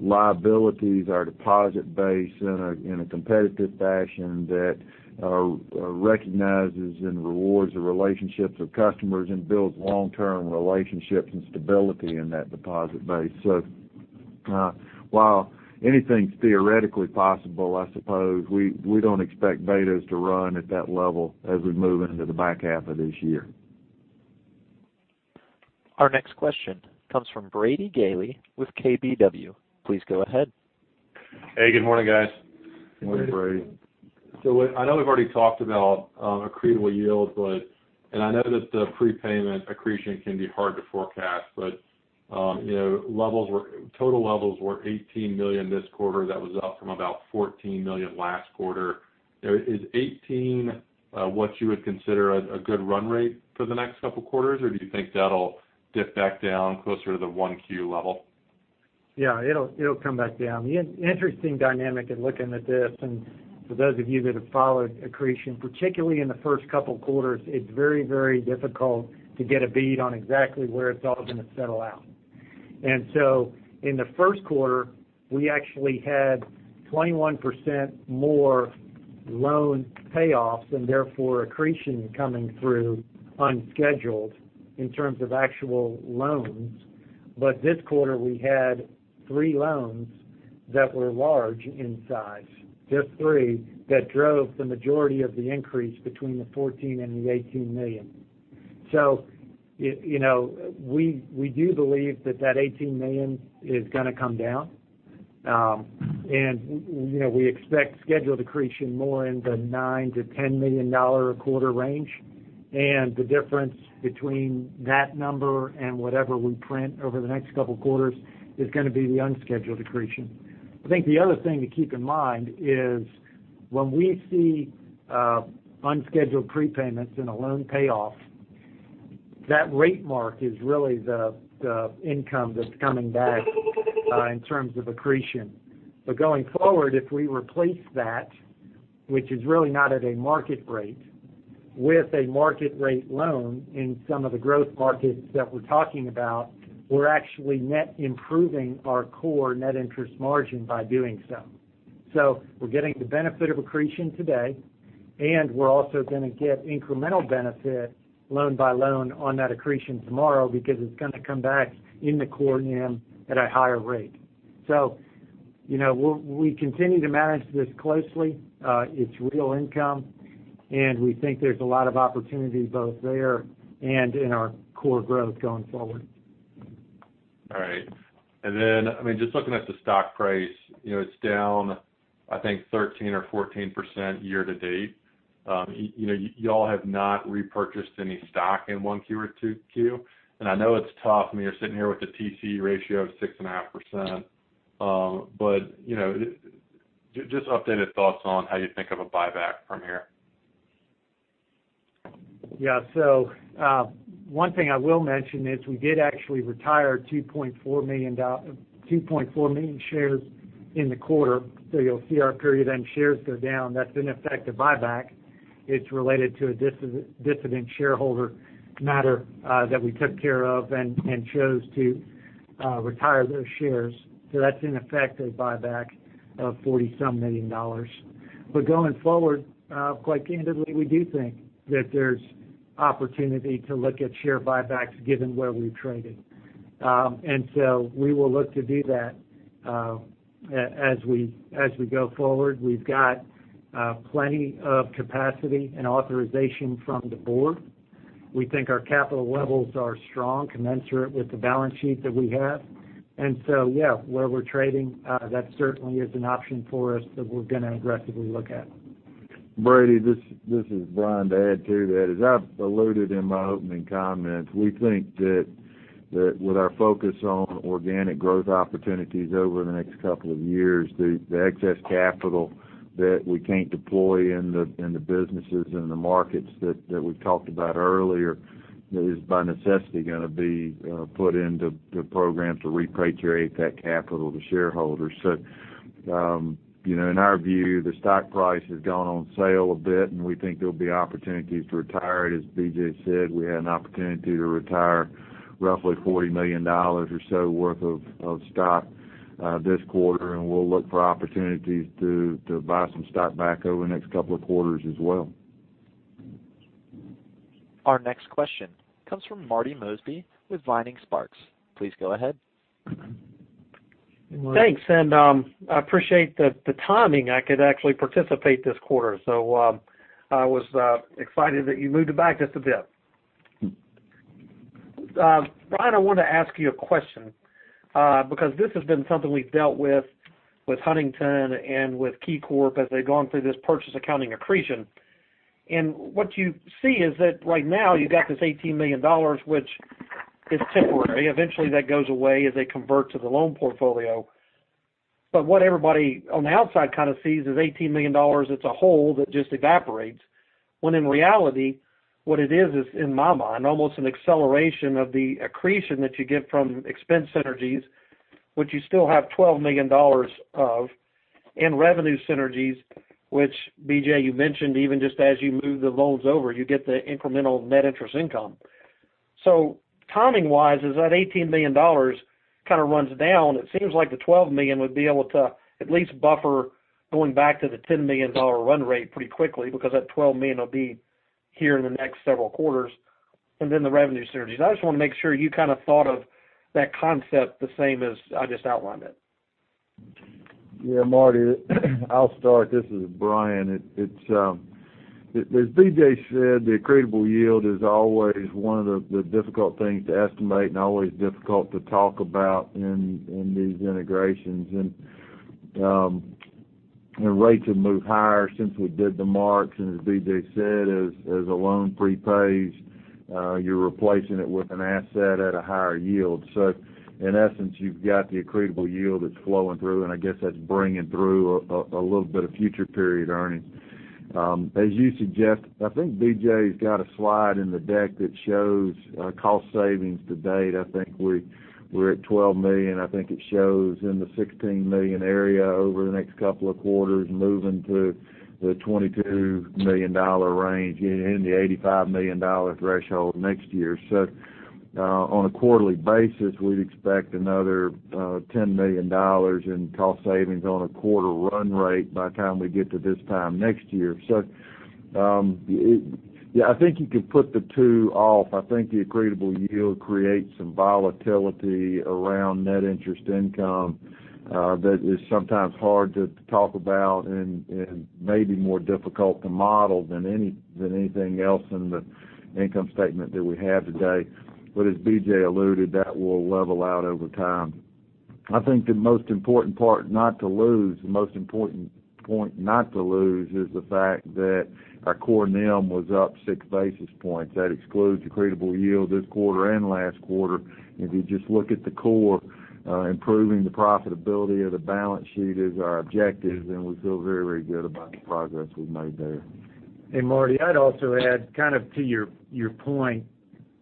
liabilities, our deposit base in a competitive fashion that recognizes and rewards the relationships of customers and builds long-term relationships and stability in that deposit base. While anything's theoretically possible, I suppose, we don't expect betas to run at that level as we move into the back half of this year. Our next question comes from Brady Gailey with KBW. Please go ahead. Hey, good morning, guys. Good morning, Brady. I know we've already talked about accretable yield, and I know that the prepayment accretion can be hard to forecast, but total levels were $18 million this quarter. That was up from about $14 million last quarter. Is $18 million what you would consider a good run rate for the next couple of quarters, or do you think that'll dip back down closer to the 1Q level? It'll come back down. The interesting dynamic in looking at this, and for those of you that have followed accretion, particularly in the first couple of quarters, it's very difficult to get a bead on exactly where it's all going to settle out. In the first quarter, we actually had 21% more loan payoffs and therefore accretion coming through unscheduled in terms of actual loans. But this quarter, we had three loans that were large in size, just three, that drove the majority of the increase between the $14 million and the $18 million. We do believe that $18 million is going to come down. We expect scheduled accretion more in the $9 million to $10 million a quarter range. The difference between that number and whatever we print over the next couple of quarters is going to be the unscheduled accretion. I think the other thing to keep in mind is when we see unscheduled prepayments in a loan payoff, that rate mark is really the income that's coming back in terms of accretion. Going forward, if we replace that, which is really not at a market rate, with a market rate loan in some of the growth markets that we're talking about, we're actually net improving our core net interest margin by doing so. We're getting the benefit of accretion today, and we're also going to get incremental benefit loan by loan on that accretion tomorrow because it's going to come back in the core NIM at a higher rate. We continue to manage this closely. It's real income, and we think there's a lot of opportunity both there and in our core growth going forward. Just looking at the stock price, it's down, I think, 13% or 14% year-to-date. You all have not repurchased any stock in 1Q or 2Q. I know it's tough. You're sitting here with a TCE ratio of 6.5%, just updated thoughts on how you think of a buyback from here. Yeah. One thing I will mention is we did actually retire 2.4 million shares in the quarter. You'll see our period end shares go down. That's an effective buyback. It's related to a dividend shareholder matter that we took care of and chose to retire those shares. That's an effective buyback of $40 some million. Going forward, quite candidly, we do think that there's opportunity to look at share buybacks given where we've traded. We will look to do that as we go forward. We've got plenty of capacity and authorization from the board. We think our capital levels are strong commensurate with the balance sheet that we have. Yeah, where we're trading, that certainly is an option for us that we're going to aggressively look at. Brady, this is Bryan. To add to that, as I alluded in my opening comments, we think that with our focus on organic growth opportunities over the next couple of years, the excess capital that we can't deploy in the businesses and the markets that we talked about earlier, is by necessity going to be put into programs to repatriate that capital to shareholders. In our view, the stock price has gone on sale a bit, and we think there'll be opportunities to retire it. As BJ said, we had an opportunity to retire roughly $40 million or so worth of stock this quarter, and we'll look for opportunities to buy some stock back over the next couple of quarters as well. Our next question comes from Marty Mosby with Vining Sparks. Please go ahead. Thanks, I appreciate the timing. I could actually participate this quarter, I was excited that you moved it back just a bit. Bryan, I wanted to ask you a question, because this has been something we've dealt with Huntington and with KeyCorp as they've gone through this purchase accounting accretion. What you see is that right now you've got this $18 million, which is temporary. Eventually, that goes away as they convert to the loan portfolio. What everybody on the outside kind of sees is $18 million, it's a hole that just evaporates. When in reality, what it is in my mind, almost an acceleration of the accretion that you get from expense synergies, which you still have $12 million of, and revenue synergies, which BJ, you mentioned, even just as you move the loans over, you get the incremental net interest income. Timing-wise, as that $18 million kind of runs down, it seems like the $12 million would be able to at least buffer going back to the $10 million run rate pretty quickly because that $12 million will be here in the next several quarters, and then the revenue synergies. I just want to make sure you kind of thought of that concept the same as I just outlined it. Yeah, Marty, I'll start. This is Bryan. As BJ said, the accretable yield is always one of the difficult things to estimate and always difficult to talk about in these integrations. Rates have moved higher since we did the marks, and as BJ said, as a loan prepays, you're replacing it with an asset at a higher yield. In essence, you've got the accretable yield that's flowing through, and I guess that's bringing through a little bit of future period earnings. As you suggest, I think BJ's got a slide in the deck that shows cost savings to date. I think we're at $12 million. I think it shows in the $16 million area over the next couple of quarters, moving to the $22 million range and the $85 million threshold next year. On a quarterly basis, we'd expect another $10 million in cost savings on a quarter run rate by the time we get to this time next year. I think you can put the two off. I think the accretable yield creates some volatility around net interest income that is sometimes hard to talk about and may be more difficult to model than anything else in the income statement that we have today. As BJ alluded, that will level out over time. I think the most important part not to lose, the most important point not to lose, is the fact that our core NIM was up six basis points. That excludes accretable yield this quarter and last quarter. If you just look at the core, improving the profitability of the balance sheet is our objective, and we feel very good about the progress we've made there. Hey, Marty, I'd also add kind of to your point,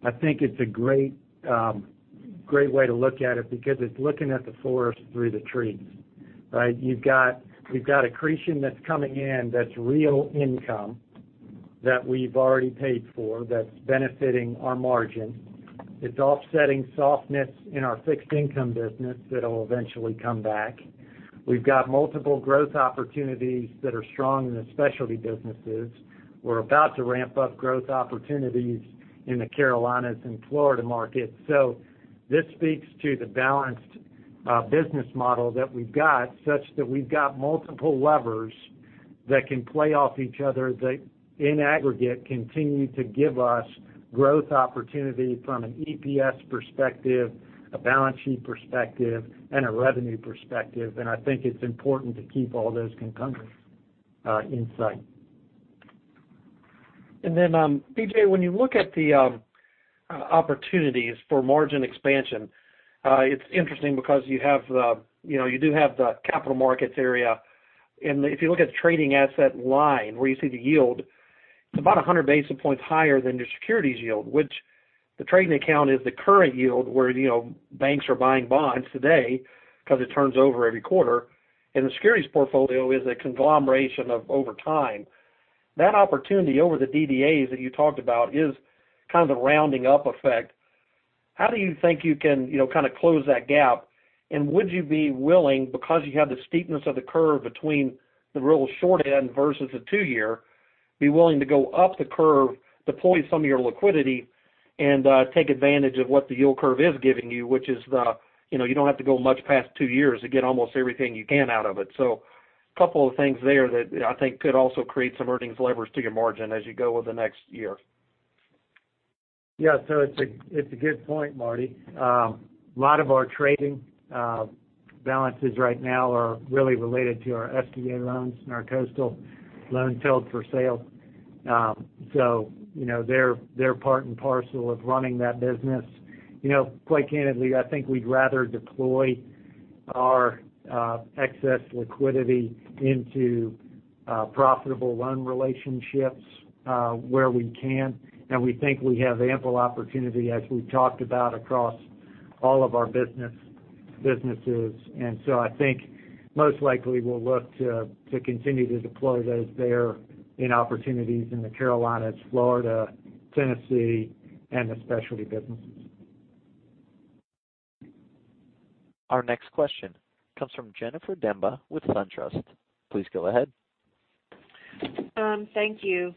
I think it's a great way to look at it because it's looking at the forest through the trees, right? We've got accretion that's coming in that's real income that we've already paid for, that's benefiting our margin. It's offsetting softness in our fixed income business that'll eventually come back. We've got multiple growth opportunities that are strong in the specialty businesses. We're about to ramp up growth opportunities in the Carolinas and Florida markets. This speaks to the balanced business model that we've got, such that we've got multiple levers that can play off each other that in aggregate continue to give us growth opportunity from an EPS perspective, a balance sheet perspective, and a revenue perspective. I think it's important to keep all those concurrent in sight. BJ, when you look at the opportunities for margin expansion, it's interesting because you do have the capital markets area. If you look at the trading asset line where you see the yield, it's about 100 basis points higher than your securities yield, which the trading account is the current yield where banks are buying bonds today because it turns over every quarter. The securities portfolio is a conglomeration of over time. That opportunity over the DDA that you talked about is kind of the rounding up effect. How do you think you can close that gap? Would you be willing because you have the steepness of the curve between the real short end versus the 2-year, be willing to go up the curve, deploy some of your liquidity and take advantage of what the yield curve is giving you which is the, you don't have to go much past 2 years to get almost everything you can out of it. A couple of things there that I think could also create some earnings levers to your margin as you go over the next year. It's a good point, Marty. A lot of our trading balances right now are really related to our SBA loans and our coastal loan portfolio for sale. They're part and parcel of running that business. Quite candidly, I think we'd rather deploy our excess liquidity into profitable loan relationships where we can. We think we have ample opportunity, as we've talked about across all of our businesses. I think most likely we'll look to continue to deploy those there in opportunities in the Carolinas, Florida, Tennessee, and the specialty businesses. Our next question comes from Jennifer Demba with SunTrust. Please go ahead. Thank you.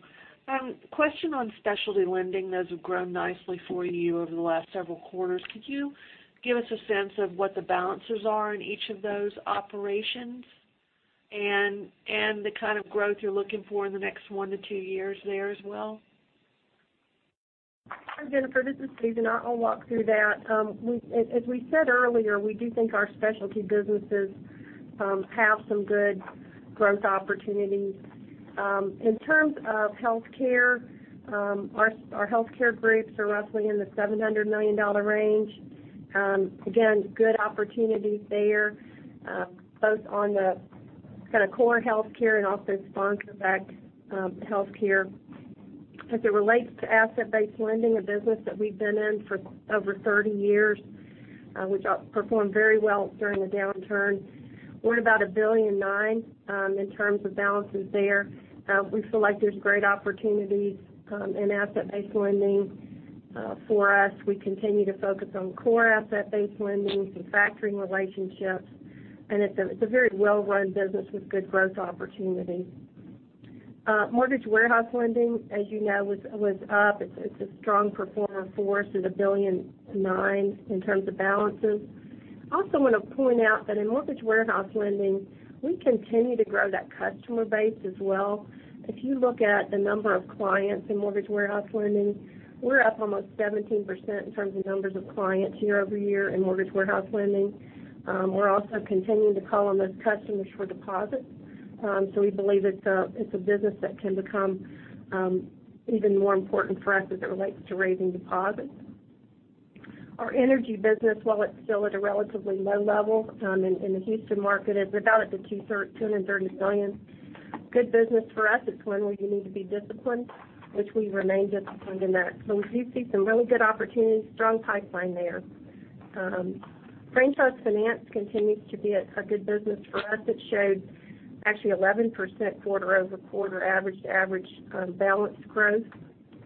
Question on specialty lending, those have grown nicely for you over the last several quarters. Could you give us a sense of what the balances are in each of those operations and the kind of growth you're looking for in the next one to two years there as well? Jennifer, this is Susan. I'll walk through that. As we said earlier, we do think our specialty businesses have some good growth opportunities. In terms of healthcare, our healthcare groups are roughly in the $700 million range. Again, good opportunities there, both on the kind of core healthcare and also sponsor-backed healthcare. As it relates to asset-based lending, a business that we've been in for over 30 years, which outperformed very well during the downturn, we're about $1.9 billion in terms of balances there. We feel like there's great opportunities in asset-based lending for us. We continue to focus on core asset-based lending, some factoring relationships, and it's a very well-run business with good growth opportunity. Mortgage warehouse lending, as you know, was up. It's a strong performer for us at $1.9 billion in terms of balances. Also want to point out that in mortgage warehouse lending, we continue to grow that customer base as well. If you look at the number of clients in mortgage warehouse lending, we're up almost 17% in terms of numbers of clients year-over-year in mortgage warehouse lending. We're also continuing to call on those customers for deposits. We believe it's a business that can become even more important for us as it relates to raising deposits. Our energy business, while it's still at a relatively low level in the Houston market, is about at the $230 million. Good business for us. It's one where you need to be disciplined, which we remain disciplined in that. We do see some really good opportunities, strong pipeline there. Franchise finance continues to be a good business for us. It showed actually 11% quarter-over-quarter average to average balance growth.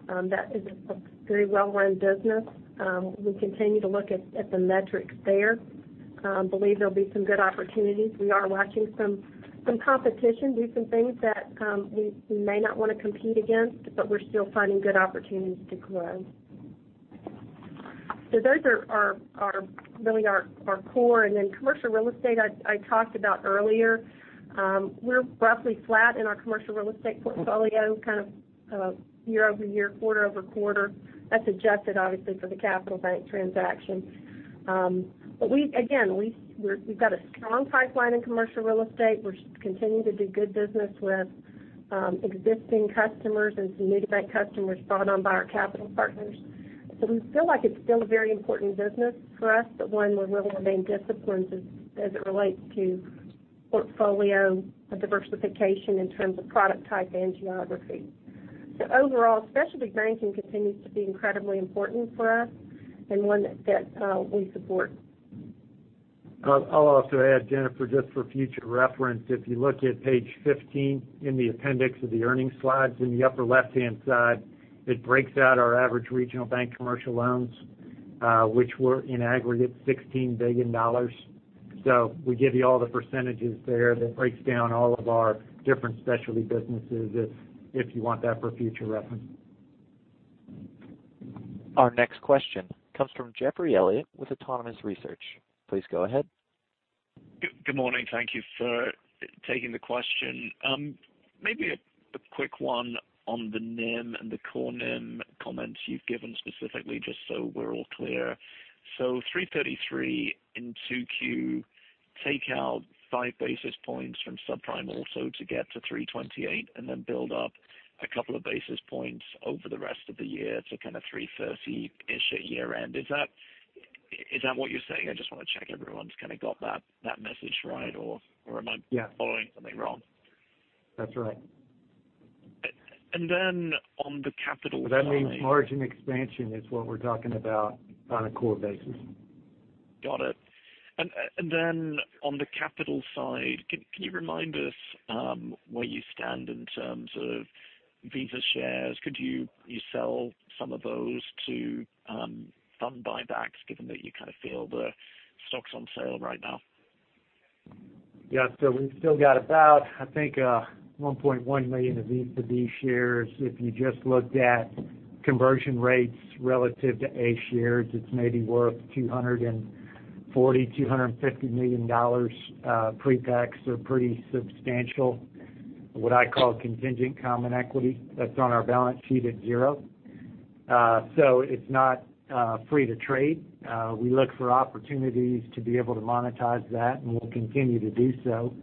That is a very well-run business. We continue to look at the metrics there. Believe there'll be some good opportunities. We are watching some competition, do some things that we may not want to compete against, but we're still finding good opportunities to grow. Those are really our core. Commercial real estate, I talked about earlier. We're roughly flat in our commercial real estate portfolio kind of year-over-year, quarter-over-quarter. That's adjusted, obviously, for the Capital Bank transaction. Again, we've got a strong pipeline in commercial real estate. We're continuing to do good business with existing customers and some new bank customers brought on by our capital partners. We feel like it's still a very important business for us, but one where we'll remain disciplined as it relates to portfolio diversification in terms of product type and geography. Overall, specialty banking continues to be incredibly important for us and one that we support. I'll also add, Jennifer, just for future reference, if you look at page 15 in the appendix of the earnings slides in the upper left-hand side, it breaks out our average regional bank commercial loans, which were in aggregate, $16 billion. We give you all the percentages there that breaks down all of our different specialty businesses if you want that for future reference. Our next question comes from Geoffrey Elliott with Autonomous Research. Please go ahead. Good morning. Thank you for taking the question. Maybe a quick one on the NIM and the core NIM comments you've given specifically, just so we're all clear. 333 in 2Q, take out five basis points from subprime also to get to 328, and then build up a couple of basis points over the rest of the year to kind of 330-ish at year-end. Is that what you're saying? I just want to check everyone's kind of got that message right? Yeah or am I following something wrong? That's right. On the capital side. That means margin expansion is what we're talking about on a core basis. Got it. Then on the capital side, can you remind us where you stand in terms of Visa shares? Could you sell some of those to fund buybacks given that you kind of feel the stock's on sale right now? Yeah. We've still got about, I think, 1.1 million of B shares. If you just looked at conversion rates relative to A shares, it's maybe worth $240 million, $250 million pre-tax or pretty substantial, what I call contingent common equity. That's on our balance sheet at zero. It's not free to trade. We look for opportunities to be able to monetize that, and we'll continue to do so.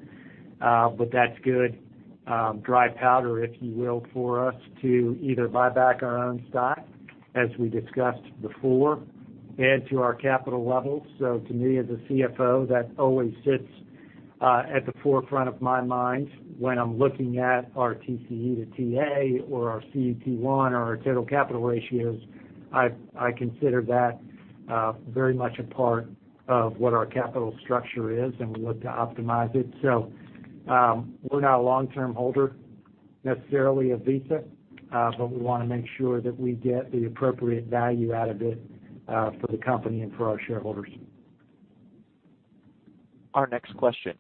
That's good dry powder, if you will, for us to either buy back our own stock as we discussed before, add to our capital levels. To me, as a CFO, that always sits at the forefront of my mind when I'm looking at our TCE to TA or our CET1 or our total capital ratios. I consider that very much a part of what our capital structure is, and we look to optimize it. We're not a long-term holder, necessarily of Visa. We want to make sure that we get the appropriate value out of it for the company and for our shareholders. Our next question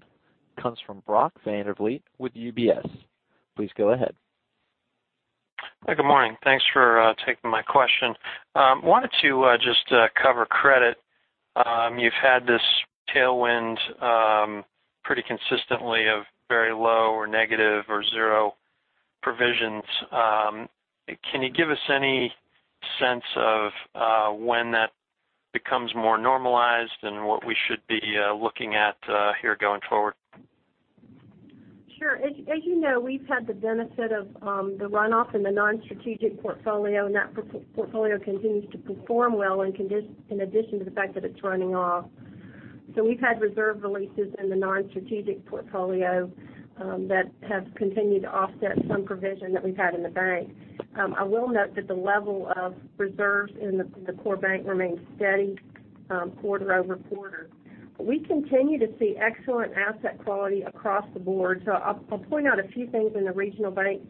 comes from Brock Vandervliet with UBS. Please go ahead. Good morning. Thanks for taking my question. Wanted to just cover credit. You've had this tailwind pretty consistently of very low or negative or zero provisions. Can you give us any sense of when that becomes more normalized and what we should be looking at here going forward? Sure. As you know, we've had the benefit of the runoff in the non-strategic portfolio, and that portfolio continues to perform well in addition to the fact that it's running off. We've had reserve releases in the non-strategic portfolio that have continued to offset some provision that we've had in the bank. I will note that the level of reserves in the core bank remains steady quarter-over-quarter. We continue to see excellent asset quality across the board. I'll point out a few things in the regional bank.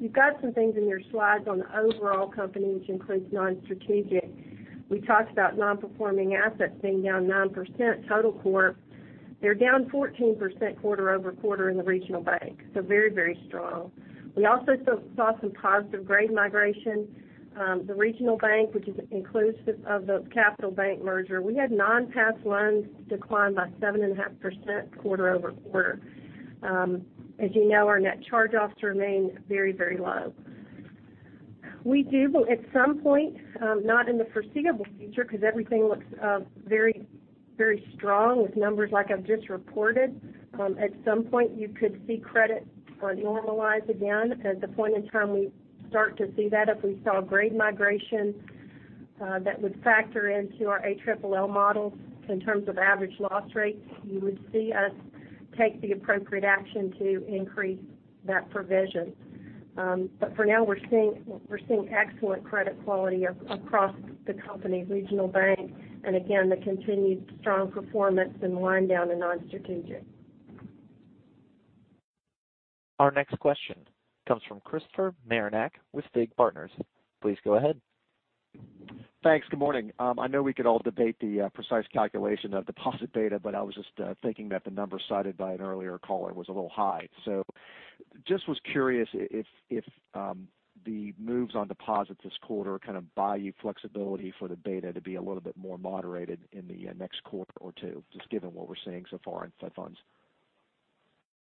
You've got some things in your slides on the overall company, which includes non-strategic. We talked about non-performing assets being down 9% total quarter. They're down 14% quarter-over-quarter in the regional bank, so very, very strong. We also saw some positive grade migration. The regional bank, which is inclusive of the Capital Bank merger, we had non-pass loans decline by 7.5% quarter-over-quarter. As you know, our net charge-offs remain very, very low. We do at some point, not in the foreseeable future, because everything looks very strong with numbers like I've just reported. At some point, you could see credit normalize again. At the point in time we start to see that if we saw grade migration that would factor into our ALLL model in terms of average loss rates, you would see us take the appropriate action to increase that provision. For now, we're seeing excellent credit quality across the company regional bank. Again, the continued strong performance in wind down in non-strategic. Our next question comes from Christopher Marinac with FIG Partners. Please go ahead. Thanks. Good morning. I know we could all debate the precise calculation of deposit beta, I was just thinking that the number cited by an earlier caller was a little high. Just was curious if the moves on deposits this quarter kind of buy you flexibility for the beta to be a little bit more moderated in the next quarter or two, just given what we're seeing so far in Fed funds.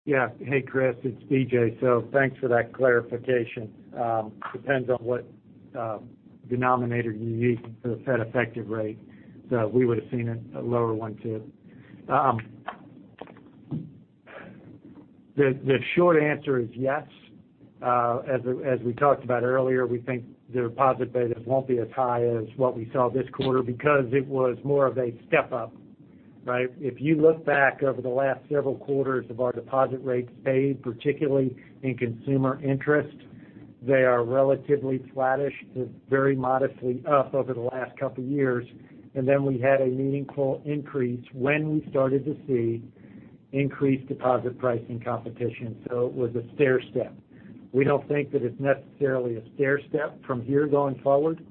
Hey, Chris, it's BJ. Thanks for that clarification. Depends on what denominator you use for the Fed effective rate. We would've seen a lower one, too. The short answer is yes. As we talked about earlier, we think the deposit beta won't be as high as what we saw this quarter because it was more of a step up, right? If you look back over the last several quarters of our deposit rates paid, particularly in consumer interest, they are relatively flattish to very modestly up over the last couple of years. Then we had a meaningful increase when we started to see increased deposit pricing competition. It was a stairstep. We don't think that it's necessarily a stairstep from here going forward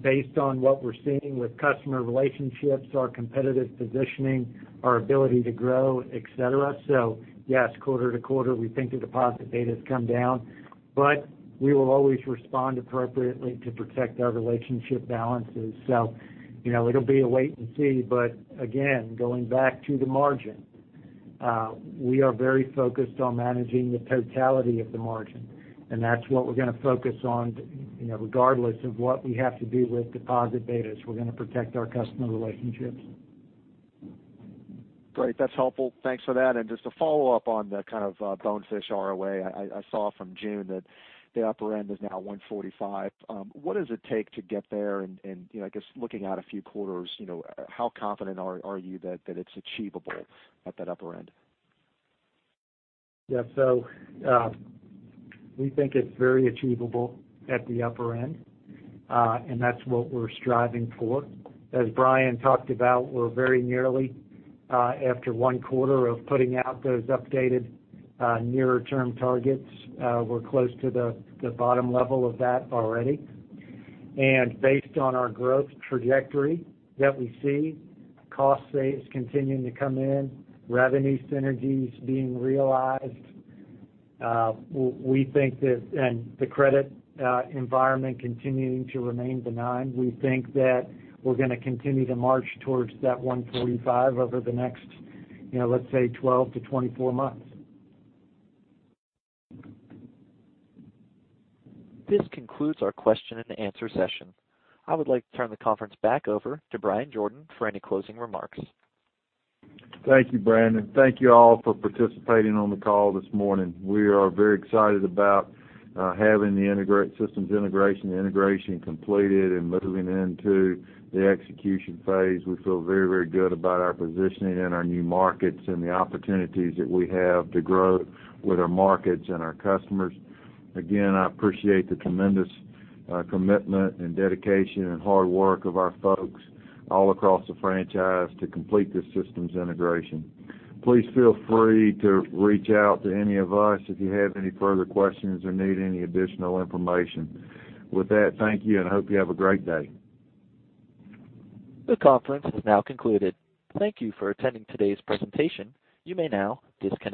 based on what we're seeing with customer relationships, our competitive positioning, our ability to grow, et cetera. Yes, quarter to quarter, we think the deposit beta has come down, we will always respond appropriately to protect our relationship balances. It'll be a wait and see. Again, going back to the margin, we are very focused on managing the totality of the margin, that's what we're going to focus on regardless of what we have to do with deposit betas. We're going to protect our customer relationships. Great. That's helpful. Thanks for that. Just to follow up on the kind of BancAnalysts ROA, I saw from June that the upper end is now 145. What does it take to get there? I guess looking out a few quarters, how confident are you that it's achievable at that upper end? Yeah. We think it's very achievable at the upper end. That's what we're striving for. As Bryan talked about, we're very nearly after one quarter of putting out those updated nearer term targets. We're close to the bottom level of that already. Based on our growth trajectory that we see, cost saves continuing to come in, revenue synergies being realized, and the credit environment continuing to remain benign, we think that we're going to continue to march towards that 145 over the next, let's say, 12-24 months. This concludes our question and answer session. I would like to turn the conference back over to Bryan Jordan for any closing remarks. Thank you, Brandon. Thank you all for participating on the call this morning. We are very excited about having the systems integration completed and moving into the execution phase. We feel very, very good about our positioning in our new markets and the opportunities that we have to grow with our markets and our customers. Again, I appreciate the tremendous commitment and dedication and hard work of our folks all across the franchise to complete this systems integration. Please feel free to reach out to any of us if you have any further questions or need any additional information. With that, thank you, and I hope you have a great day. This conference is now concluded. Thank you for attending today's presentation. You may now disconnect.